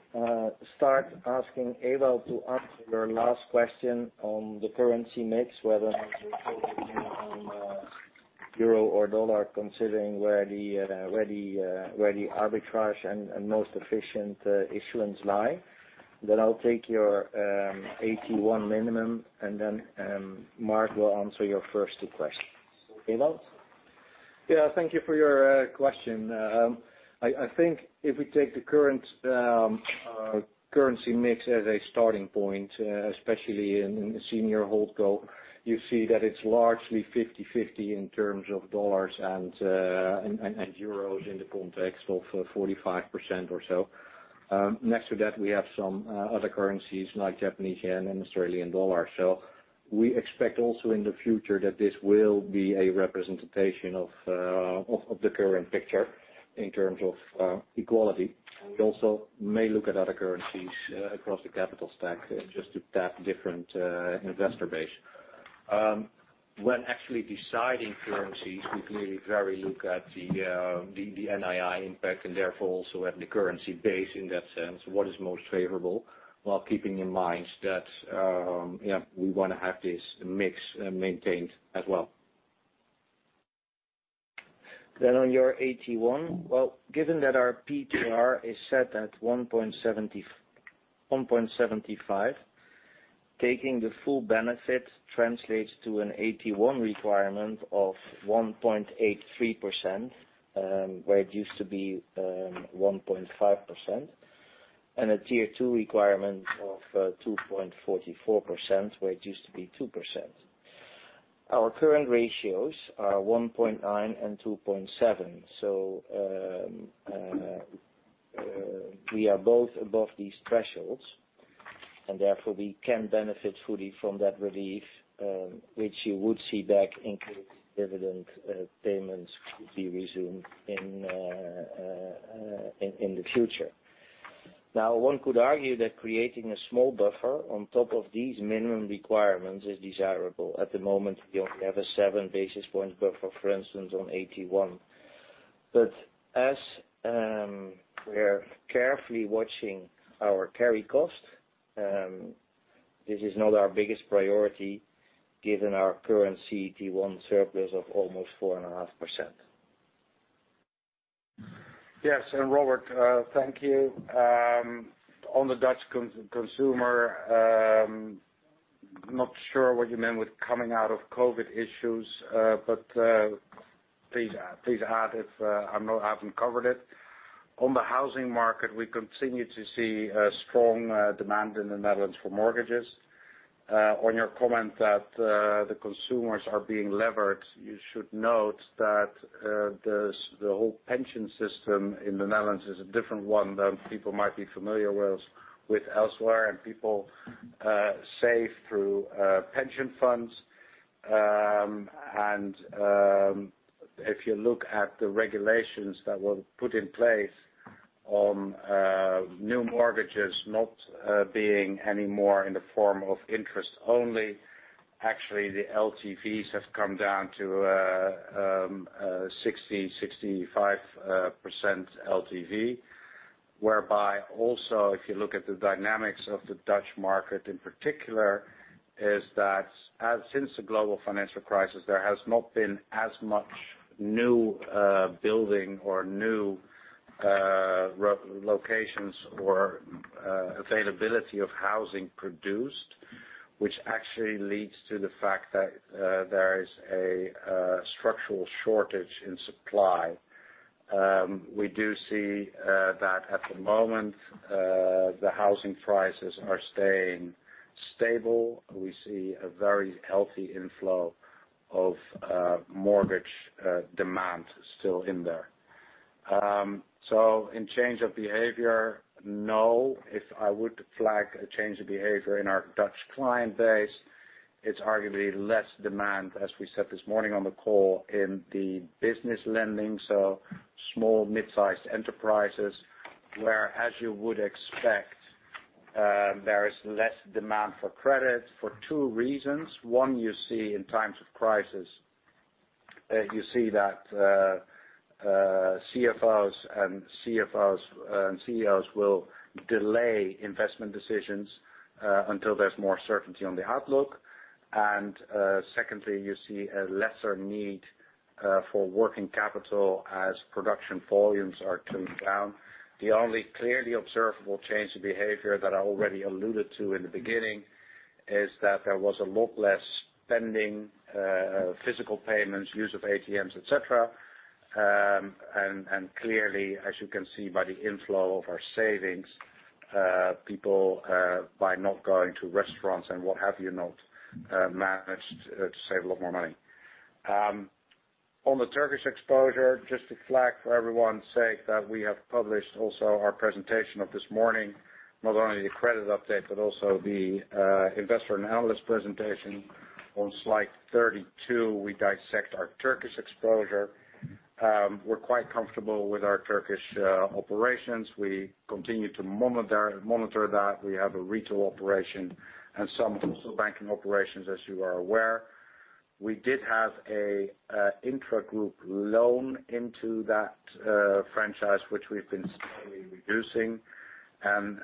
start asking Ewald to answer your last question on the currency mix, whether or not you're focused on euro or dollar, considering where the arbitrage and most efficient issuance lie. I'll take your AT1 minimum. Mark will answer your first two questions. Ewald? Yeah, thank you for your question. I think if we take the current currency mix as a starting point, especially in the senior HoldCo, you see that it's largely 50-50 in terms of dollars and euros in the context of 45% or so. We have some other currencies like Japanese yen and Australian dollars. We expect also in the future that this will be a representation of the current picture in terms of equality. We also may look at other currencies across the capital stack just to tap different investor base. When actually deciding currencies, we clearly look at the NII impact and therefore also at the currency base in that sense, what is most favorable, while keeping in mind that we want to have this mix maintained as well. On your AT1, well, given that our P2R is set at 1.75, taking the full benefit translates to an AT1 requirement of 1.83%, where it used to be 1.5%, and a Tier 2 requirement of 2.44%, where it used to be 2%. Our current ratios are 1.9 and 2.7, so we are both above these thresholds, and therefore we can benefit fully from that relief, which you would see back in case dividend payments could be resumed in the future. Now one could argue that creating a small buffer on top of these minimum requirements is desirable. At the moment, we only have 7 basis points buffer, for instance, on AT1. As we are carefully watching our carry cost, this is not our biggest priority given our current CET1 surplus of almost 4.5%. Yes, Robert, thank you. On the Dutch consumer, I'm not sure what you meant with coming out of COVID issues, but please add if I haven't covered it. On the housing market, we continue to see a strong demand in the Netherlands for mortgages. On your comment that the consumers are being levered, you should note that the whole pension system in the Netherlands is a different one than people might be familiar with elsewhere, and people save through pension funds. If you look at the regulations that were put in place on new mortgages not being anymore in the form of interest only, actually the LTVs have come down to 60%, 65% LTV. Whereby also, if you look at the dynamics of the Dutch market in particular, is that since the global financial crisis, there has not been as much new building or new locations or availability of housing produced, which actually leads to the fact that there is a structural shortage in supply. We do see that at the moment, the housing prices are staying stable. We see a very healthy inflow of mortgage demand still in there. In change of behavior, no. If I would flag a change of behavior in our Dutch client base, it's arguably less demand, as we said this morning on the call, in the business lending, so small, mid-sized enterprises, where, as you would expect, there is less demand for credit for two reasons. One, you see in times of crisis, you see that CFOs and CEOs will delay investment decisions until there's more certainty on the outlook. Secondly, you see a lesser need for working capital as production volumes are tuned down. The only clearly observable change in behavior that I already alluded to in the beginning is that there was a lot less spending, physical payments, use of ATMs, etc. Clearly, as you can see by the inflow of our savings, people, by not going to restaurants and what have you not, managed to save a lot more money. On the Turkish exposure, just to flag for everyone's sake, that we have published also our presentation of this morning, not only the credit update, but also the investor and analyst presentation. On slide 32, we dissect our Turkish exposure. We are quite comfortable with our Turkish operations. We continue to monitor that. We have a retail operation and some wholesale banking operations, as you are aware. We did have an intragroup loan into that franchise, which we've been steadily reducing and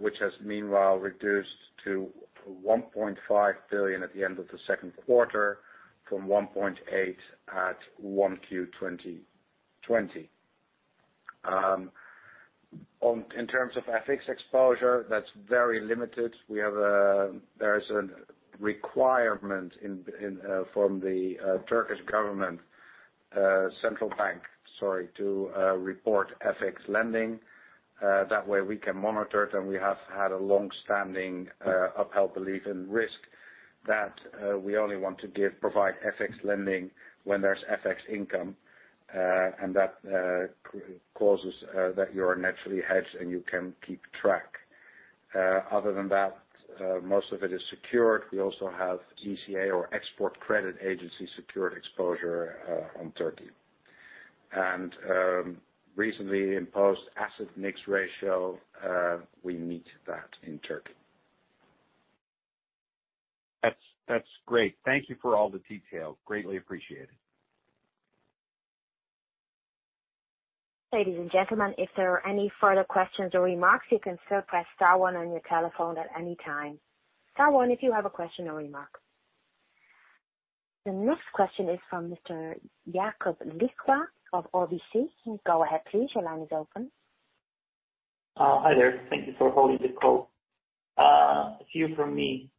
which has meanwhile reduced to 1.5 billion at the end of the second quarter from 1.8 at 1Q 2020. In terms of FX exposure, that's very limited. There is a requirement from the Central Bank to report FX lending. That way we can monitor it, and we have had a longstanding upheld belief in risk that we only want to provide FX lending when there's FX income, and that causes that you are naturally hedged, and you can keep track. Other than that, most of it is secured. We also have ECA or Export Credit Agency secured exposure on Türkiye. Recently imposed asset mix ratio, we meet that in Türkiye. That's great. Thank you for all the details. Greatly appreciated. And gentlemen if there are any further questions or remarks, you can still press star one on your telephone at any time. Star one if you have a question or a remark. The next question is from Mr. Jacob [Lishkla] of RBC. Hi there. Thank you for holding the call. A few from me.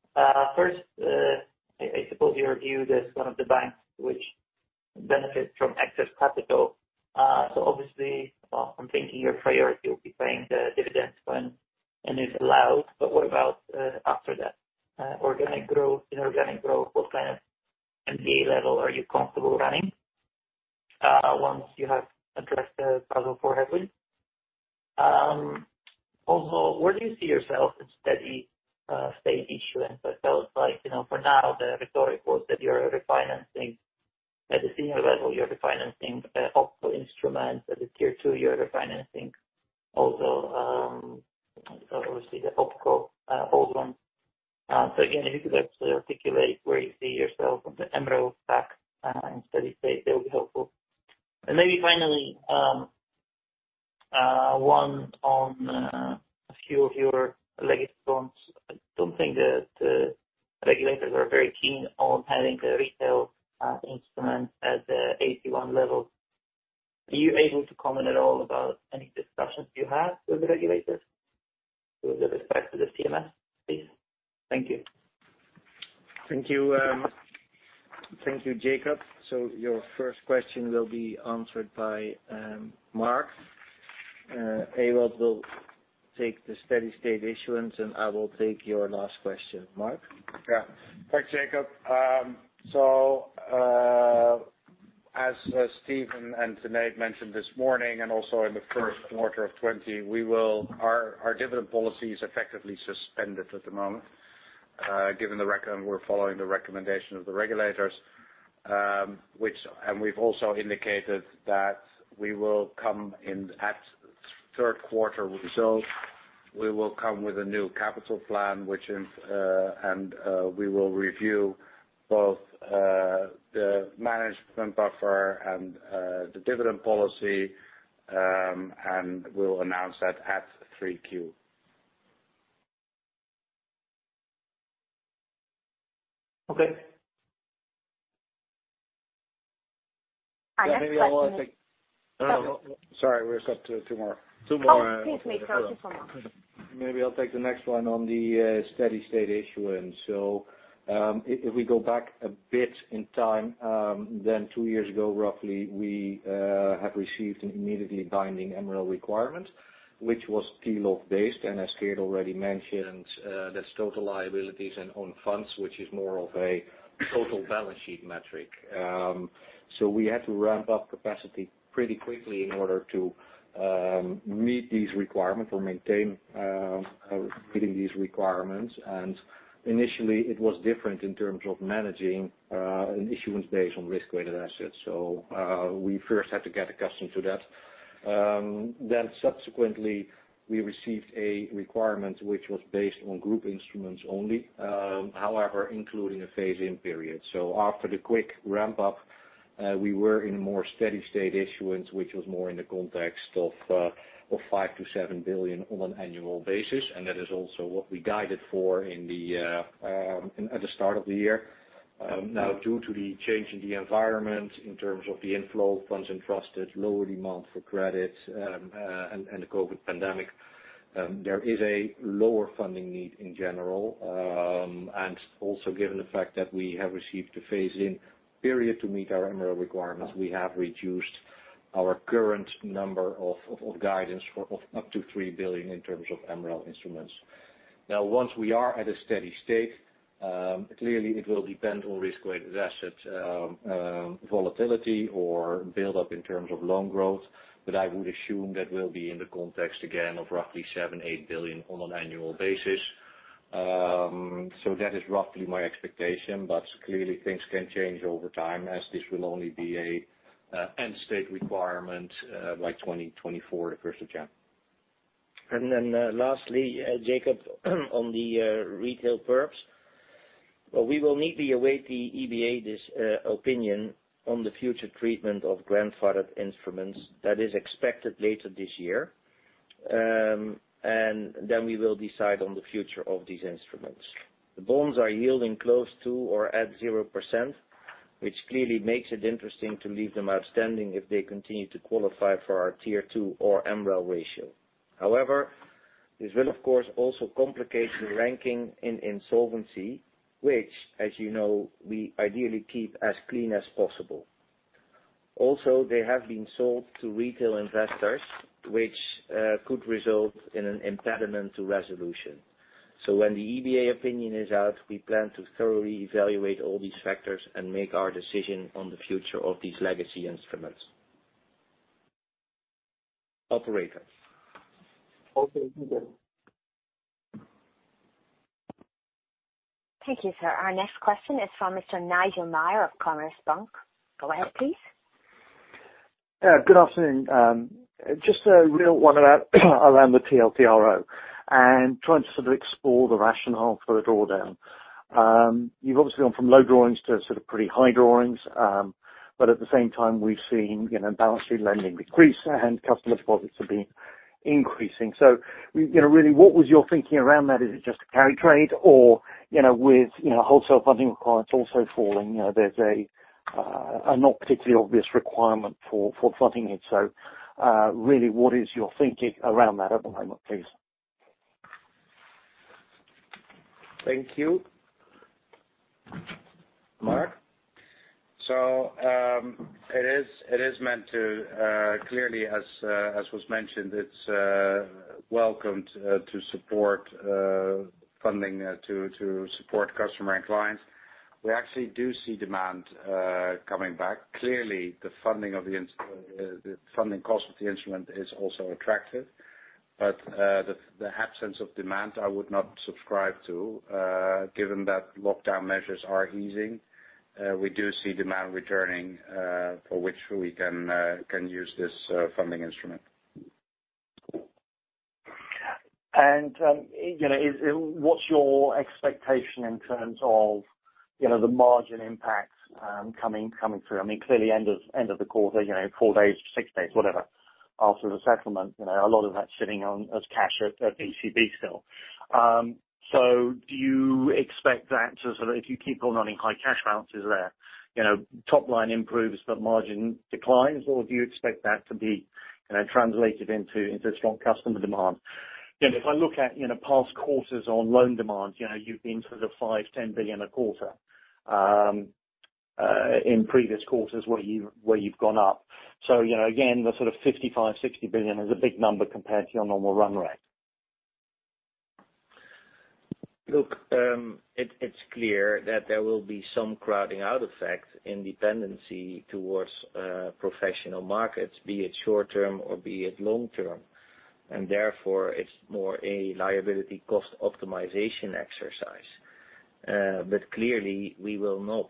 First, I suppose your view that one of the banks which benefit from excess capital. Obviously, well, I'm thinking your priority will be paying the dividends when and if allowed. What about after that? Organic growth, inorganic growth, what kind of MDA level are you comfortable running once you have addressed the Basel IV headwind? Also, where do you see yourself in steady state issuance? It sounds like for now, the rhetoric was that you're refinancing at the senior level, you're refinancing OpCo instruments. At the Tier 2, you're refinancing, also, obviously the OpCo old one. Again, if you could actually articulate where you see yourself on the MREL stack in steady state, that would be helpful. Maybe finally, one on a few of your legacy bonds. I don't think that the regulators are very keen on having the retail instruments at the AT1 level. Are you able to comment at all about any discussions you have with the regulators with respect to the SSM, please? Thank you. Thank you, Jacob. Your first question will be answered by Mark. Ewald will take the steady state issuance, and I will take your last question. Mark? Thanks, Jacob. As Steven and Sinead mentioned this morning, also in the first quarter of 2020, our dividend policy is effectively suspended at the moment. Given the recommend, we're following the recommendation of the regulators, we've also indicated that we will come in at third quarter results. We will come with a new capital plan, and we will review both the management buffer and the dividend policy, we'll announce that at 3Q. Okay. I have a question. Sorry, we've got two more. Oh, please, make sure to follow up. Maybe I'll take the next one on the steady state issuance. If we go back a bit in time, then two years ago, roughly, we have received an immediately binding MREL requirement, which was TLOF-based. As Kate already mentioned, that's Total Liabilities and Own Funds, which is more of a total balance sheet metric. We had to ramp up capacity pretty quickly in order to meet these requirements or maintain meeting these requirements. Initially, it was different in terms of managing an issuance based on risk-weighted assets. We first had to get accustomed to that. Subsequently, we received a requirement which was based on group instruments only. However, including a phase-in period. After the quick ramp-up, we were in a more steady state issuance, which was more in the context of 5 billion-7 billion on an annual basis, and that is also what we guided for at the start of the year. Now due to the change in the environment in terms of the inflow of funds and trusted lower demand for credit and the COVID pandemic, there is a lower funding need in general. Also given the fact that we have received a phase-in period to meet our MREL requirements, we have reduced our current number of guidance of up to 3 billion in terms of MREL instruments. Now once we are at a steady state, clearly it will depend on risk-weighted asset volatility or buildup in terms of loan growth. I would assume that will be in the context, again, of roughly 7 billion-8 billion on an annual basis, so that is roughly my expectation, but clearly things can change over time as this will only be an end state requirement by 2024, the 1st of January. And then lastly, Jacob, on the retail perps. We will neatly await the EBA's opinion on the future treatment of grandfathered instruments that is expected later this year. We will decide on the future of these instruments. The bonds are yielding close to or at 0%, which clearly makes it interesting to leave them outstanding if they continue to qualify for our Tier 2 or MREL ratio. Howeer, this will, of course, also complicate the ranking in insolvency, which, as you know, we ideally keep as clean as possible. Also, they have been sold to retail investors, which could result in an impediment to resolution. When the EBA opinion is out, we plan to thoroughly evaluate all these factors and make our decision on the future of these legacy instruments. Operator. Operator. Thank you, sir. Our next question is from Mr. Nigel Meyer of Commerzbank. Go ahead, please. Yeah, good afternoon. Just a real one around the TLTRO and trying to sort of explore the rationale for the drawdown. You've obviously gone from low drawings to sort of pretty high drawings. At the same time, we've seen balance sheet lending decrease and customer deposits have been increasing. Really, what was your thinking around that? Is it just a carry trade or with wholesale funding requirements also falling, there's a not particularly obvious requirement for funding it? Really, what is your thinking around that at the moment, please? Thank you. Mark? It is meant to, clearly as was mentioned, it is welcomed to support funding, to support customer and clients. We actually do see demand coming back. Clearly, the funding cost of the instrument is also attractive. The absence of demand, I would not subscribe to, given that lockdown measures are easing. We do see demand returning, for which we can use this funding instrument. What's your expectation in terms of the margin impacts coming through? Clearly end of the quarter, four days, six days, whatever, after the settlement, a lot of that's sitting as cash at ECB still. Do you expect that to sort of, if you keep on running high cash balances there, top line improves but margin declines, or do you expect that to be translated into strong customer demand? If I look at past quarters on loan demand, you've been sort of 5 billion, 10 billion a quarter, in previous quarters where you've gone up. Again, the sort of 55 billion-60 billion is a big number compared to your normal run rate. Look, it's clear that there will be some crowding out effect in dependency towards professional markets, be it short-term or be it long-term, and therefore it's more a liability cost optimization exercise. Clearly, we will not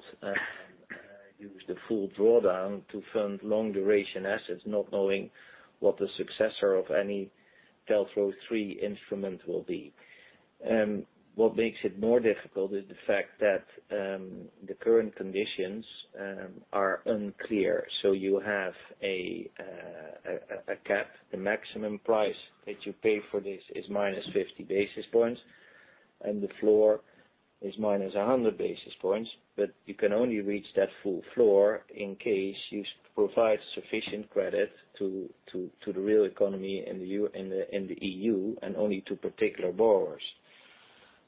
use the full drawdown to fund long-duration assets, not knowing what the successor of any TLTRO III instrument will be. What makes it more difficult is the fact that the current conditions are unclear. You have a cap. The maximum price that you pay for this is -50 basis points, and the floor is -100 basis points, but you can only reach that full floor in case you provide sufficient credit to the real economy in the EU and only to particular borrowers.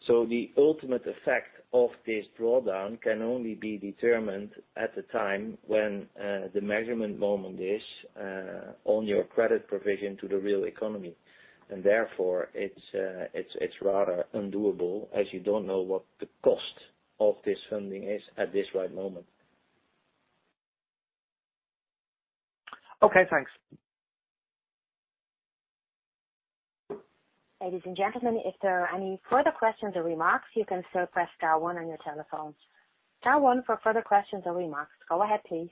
The ultimate effect of this drawdown can only be determined at the time when the measurement moment is on your credit provision to the real economy. Therefore it's rather undoable, as you don't know what the cost of this funding is at this right moment. Okay, thanks. Ladies and gentlemen, if there are any further questions or remarks, you can still press star one on your telephones. Star one for further questions or remarks. Go ahead, please.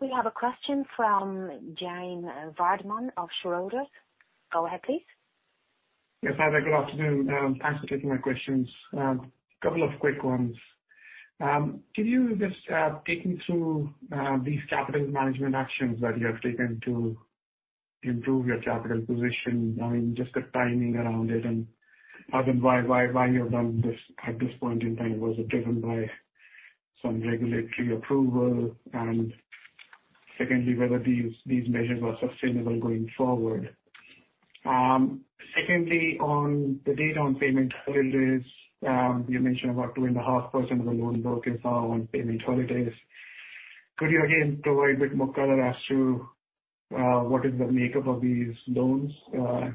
We have a question from Jaime Vardhman of Schroders. Go ahead, please. Yes, hi there. Good afternoon. Thanks for taking my questions. Couple of quick ones. Can you just take me through these capital management actions that you have taken to improve your capital position? Just the timing around it and as in why you have done this at this point in time. Was it driven by some regulatory approval? Secondly, whether these measures are sustainable going forward. Secondly, on the data on payment holidays, you mentioned about 2.5% of the loan book is now on payment holidays. Could you again provide a bit more color as to what is the makeup of these loans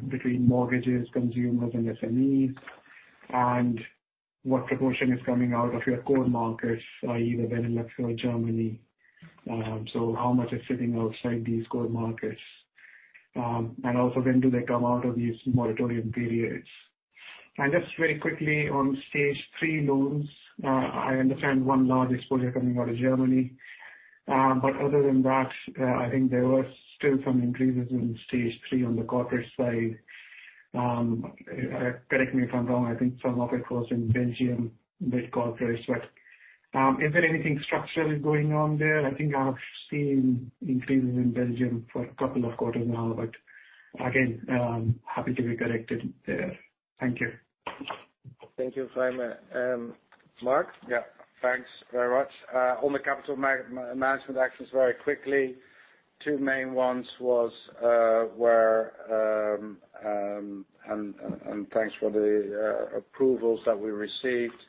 between mortgages, consumers, and SMEs, and what proportion is coming out of your core markets, either Benelux or Germany? How much is sitting outside these core markets? Also, when do they come out of these moratorium periods? Just very quickly on Stage 3 loans, I understand one large exposure coming out of Germany. Other than that, I think there were still some increases in Stage 3 on the corporate side. Correct me if I’m wrong, I think some of it was in Belgium with corporates, but is there anything structurally going on there? I think I’ve seen increases in Belgium for a couple of quarters now, but again, happy to be corrected there. Thank you. Thank you, Jaime. Mark? Yeah. Thanks very much. On the capital management actions, very quickly, two main ones were and thanks for the approvals that we received.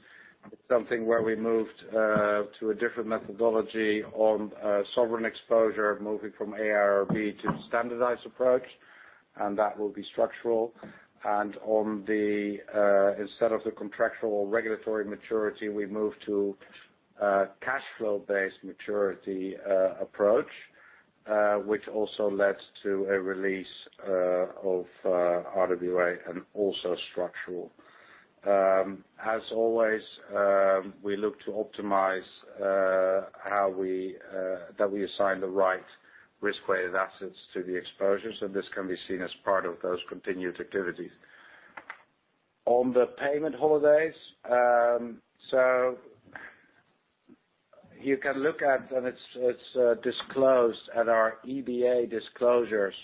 It's something where we moved to a different methodology on sovereign exposure, moving from IRB to standardized approach, and that will be structural. Instead of the contractual regulatory maturity, we moved to a cash flow-based maturity approach, which also led to a release of RWA and also structural. As always, we look to optimize that we assign the right risk-weighted assets to the exposure, so this can be seen as part of those continued activities. On the payment holidays, so you can look at, and it's disclosed at our EBA disclosures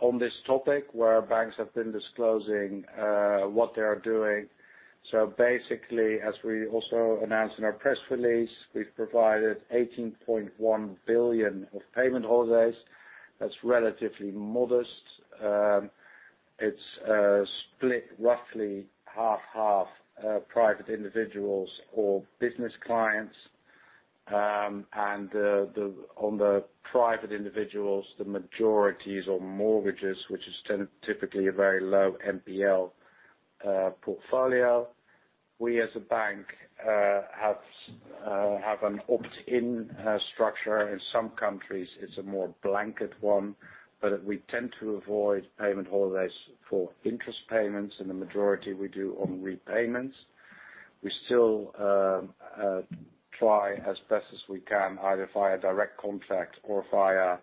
on this topic where banks have been disclosing what they are doing. Basically, as we also announced in our press release, we've provided 18.1 billion of payment holidays. That's relatively modest. It's split roughly half-half private individuals or business clients. On the private individuals, the majority is on mortgages, which is typically a very low NPL portfolio. We as a bank have an opt-in structure. In some countries, it's a more blanket one, but we tend to avoid payment holidays for interest payments and the majority we do on repayments. We still try as best as we can, either via direct contact or via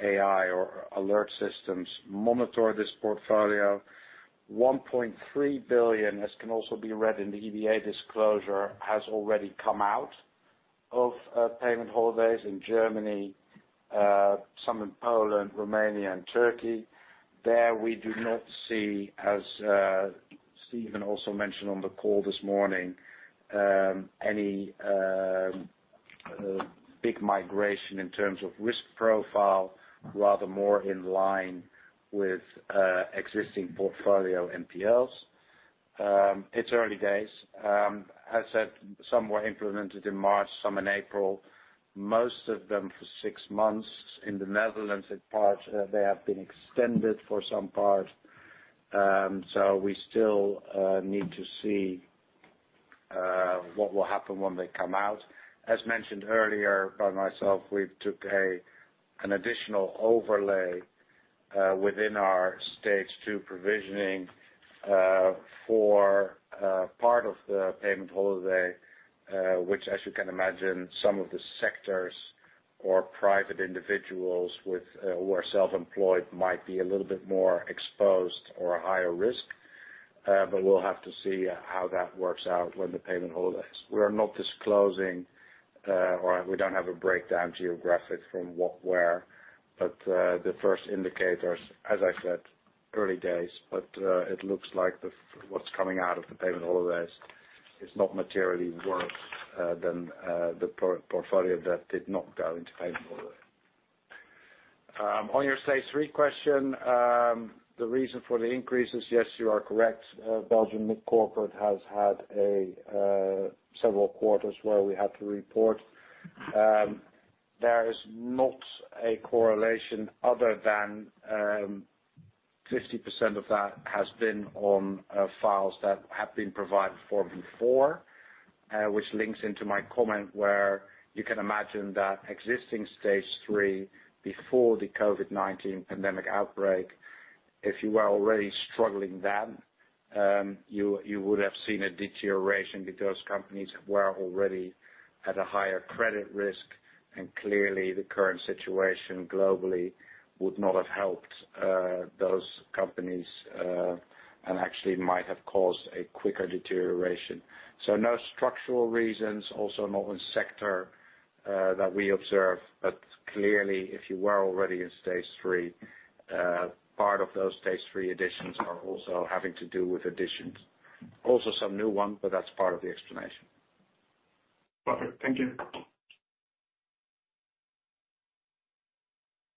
AI or alert systems, monitor this portfolio. 1.3 billion, as can also be read in the EBA disclosure, has already come out of payment holidays in Germany, some in Poland, Romania, and Turkey. There we do not see, as Steven also mentioned on the call this morning, any big migration in terms of risk profile, rather more in line with existing portfolio NPLs. It's early days. As said, some were implemented in March, some in April, most of them for six months. In the Netherlands, in part, they have been extended for some part. We still need to see what will happen when they come out. As mentioned earlier by myself, we took an additional overlay within our Stage 2 provisioning for part of the payment holiday, which as you can imagine, some of the sectors or private individuals who are self-employed might be a little bit more exposed or higher risk. We'll have to see how that works out when the payment holidays. We're not disclosing, or we don't have a breakdown geographic from what, where, but the first indicators, as I said, early days, but it looks like what's coming out of the payment holidays is not materially worse than the portfolio that did not go into payment holiday. On your Stage 3 question, the reason for the increase is, yes, you are correct. Belgium mid-corporate has had several quarters where we had to report. There is not a correlation other than 50% of that has been on files that have been provided for before, which links into my comment where you can imagine that existing Stage 3 before the COVID-19 pandemic outbreak, if you were already struggling then, you would have seen a deterioration because companies were already at a higher credit risk, and clearly the current situation globally would not have helped those companies, and actually might have caused a quicker deterioration. No structural reasons, also not one sector that we observe. Clearly, if you were already in Stage 3, part of those Stage 3 additions are also having to do with additions. Also some new ones, but that's part of the explanation. Perfect. Thank you.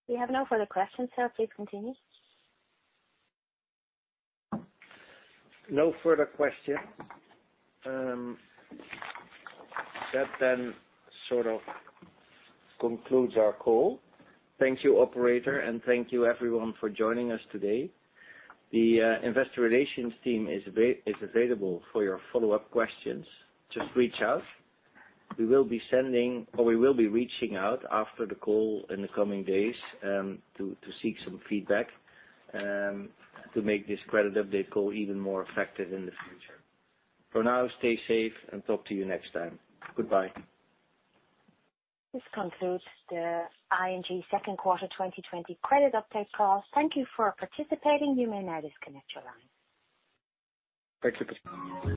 We have no further questions. Please continue. No further questions. That sort of concludes our call. Thank you, operator, and thank you everyone for joining us today. The investor relations team is available for your follow-up questions, just reach out. We will be reaching out after the call in the coming days to seek some feedback to make this credit update call even more effective in the future. For now, stay safe and talk to you next time. Goodbye. This concludes the ING second quarter 2020 credit update call. Thank you for participating. You may now disconnect your line. Thank you.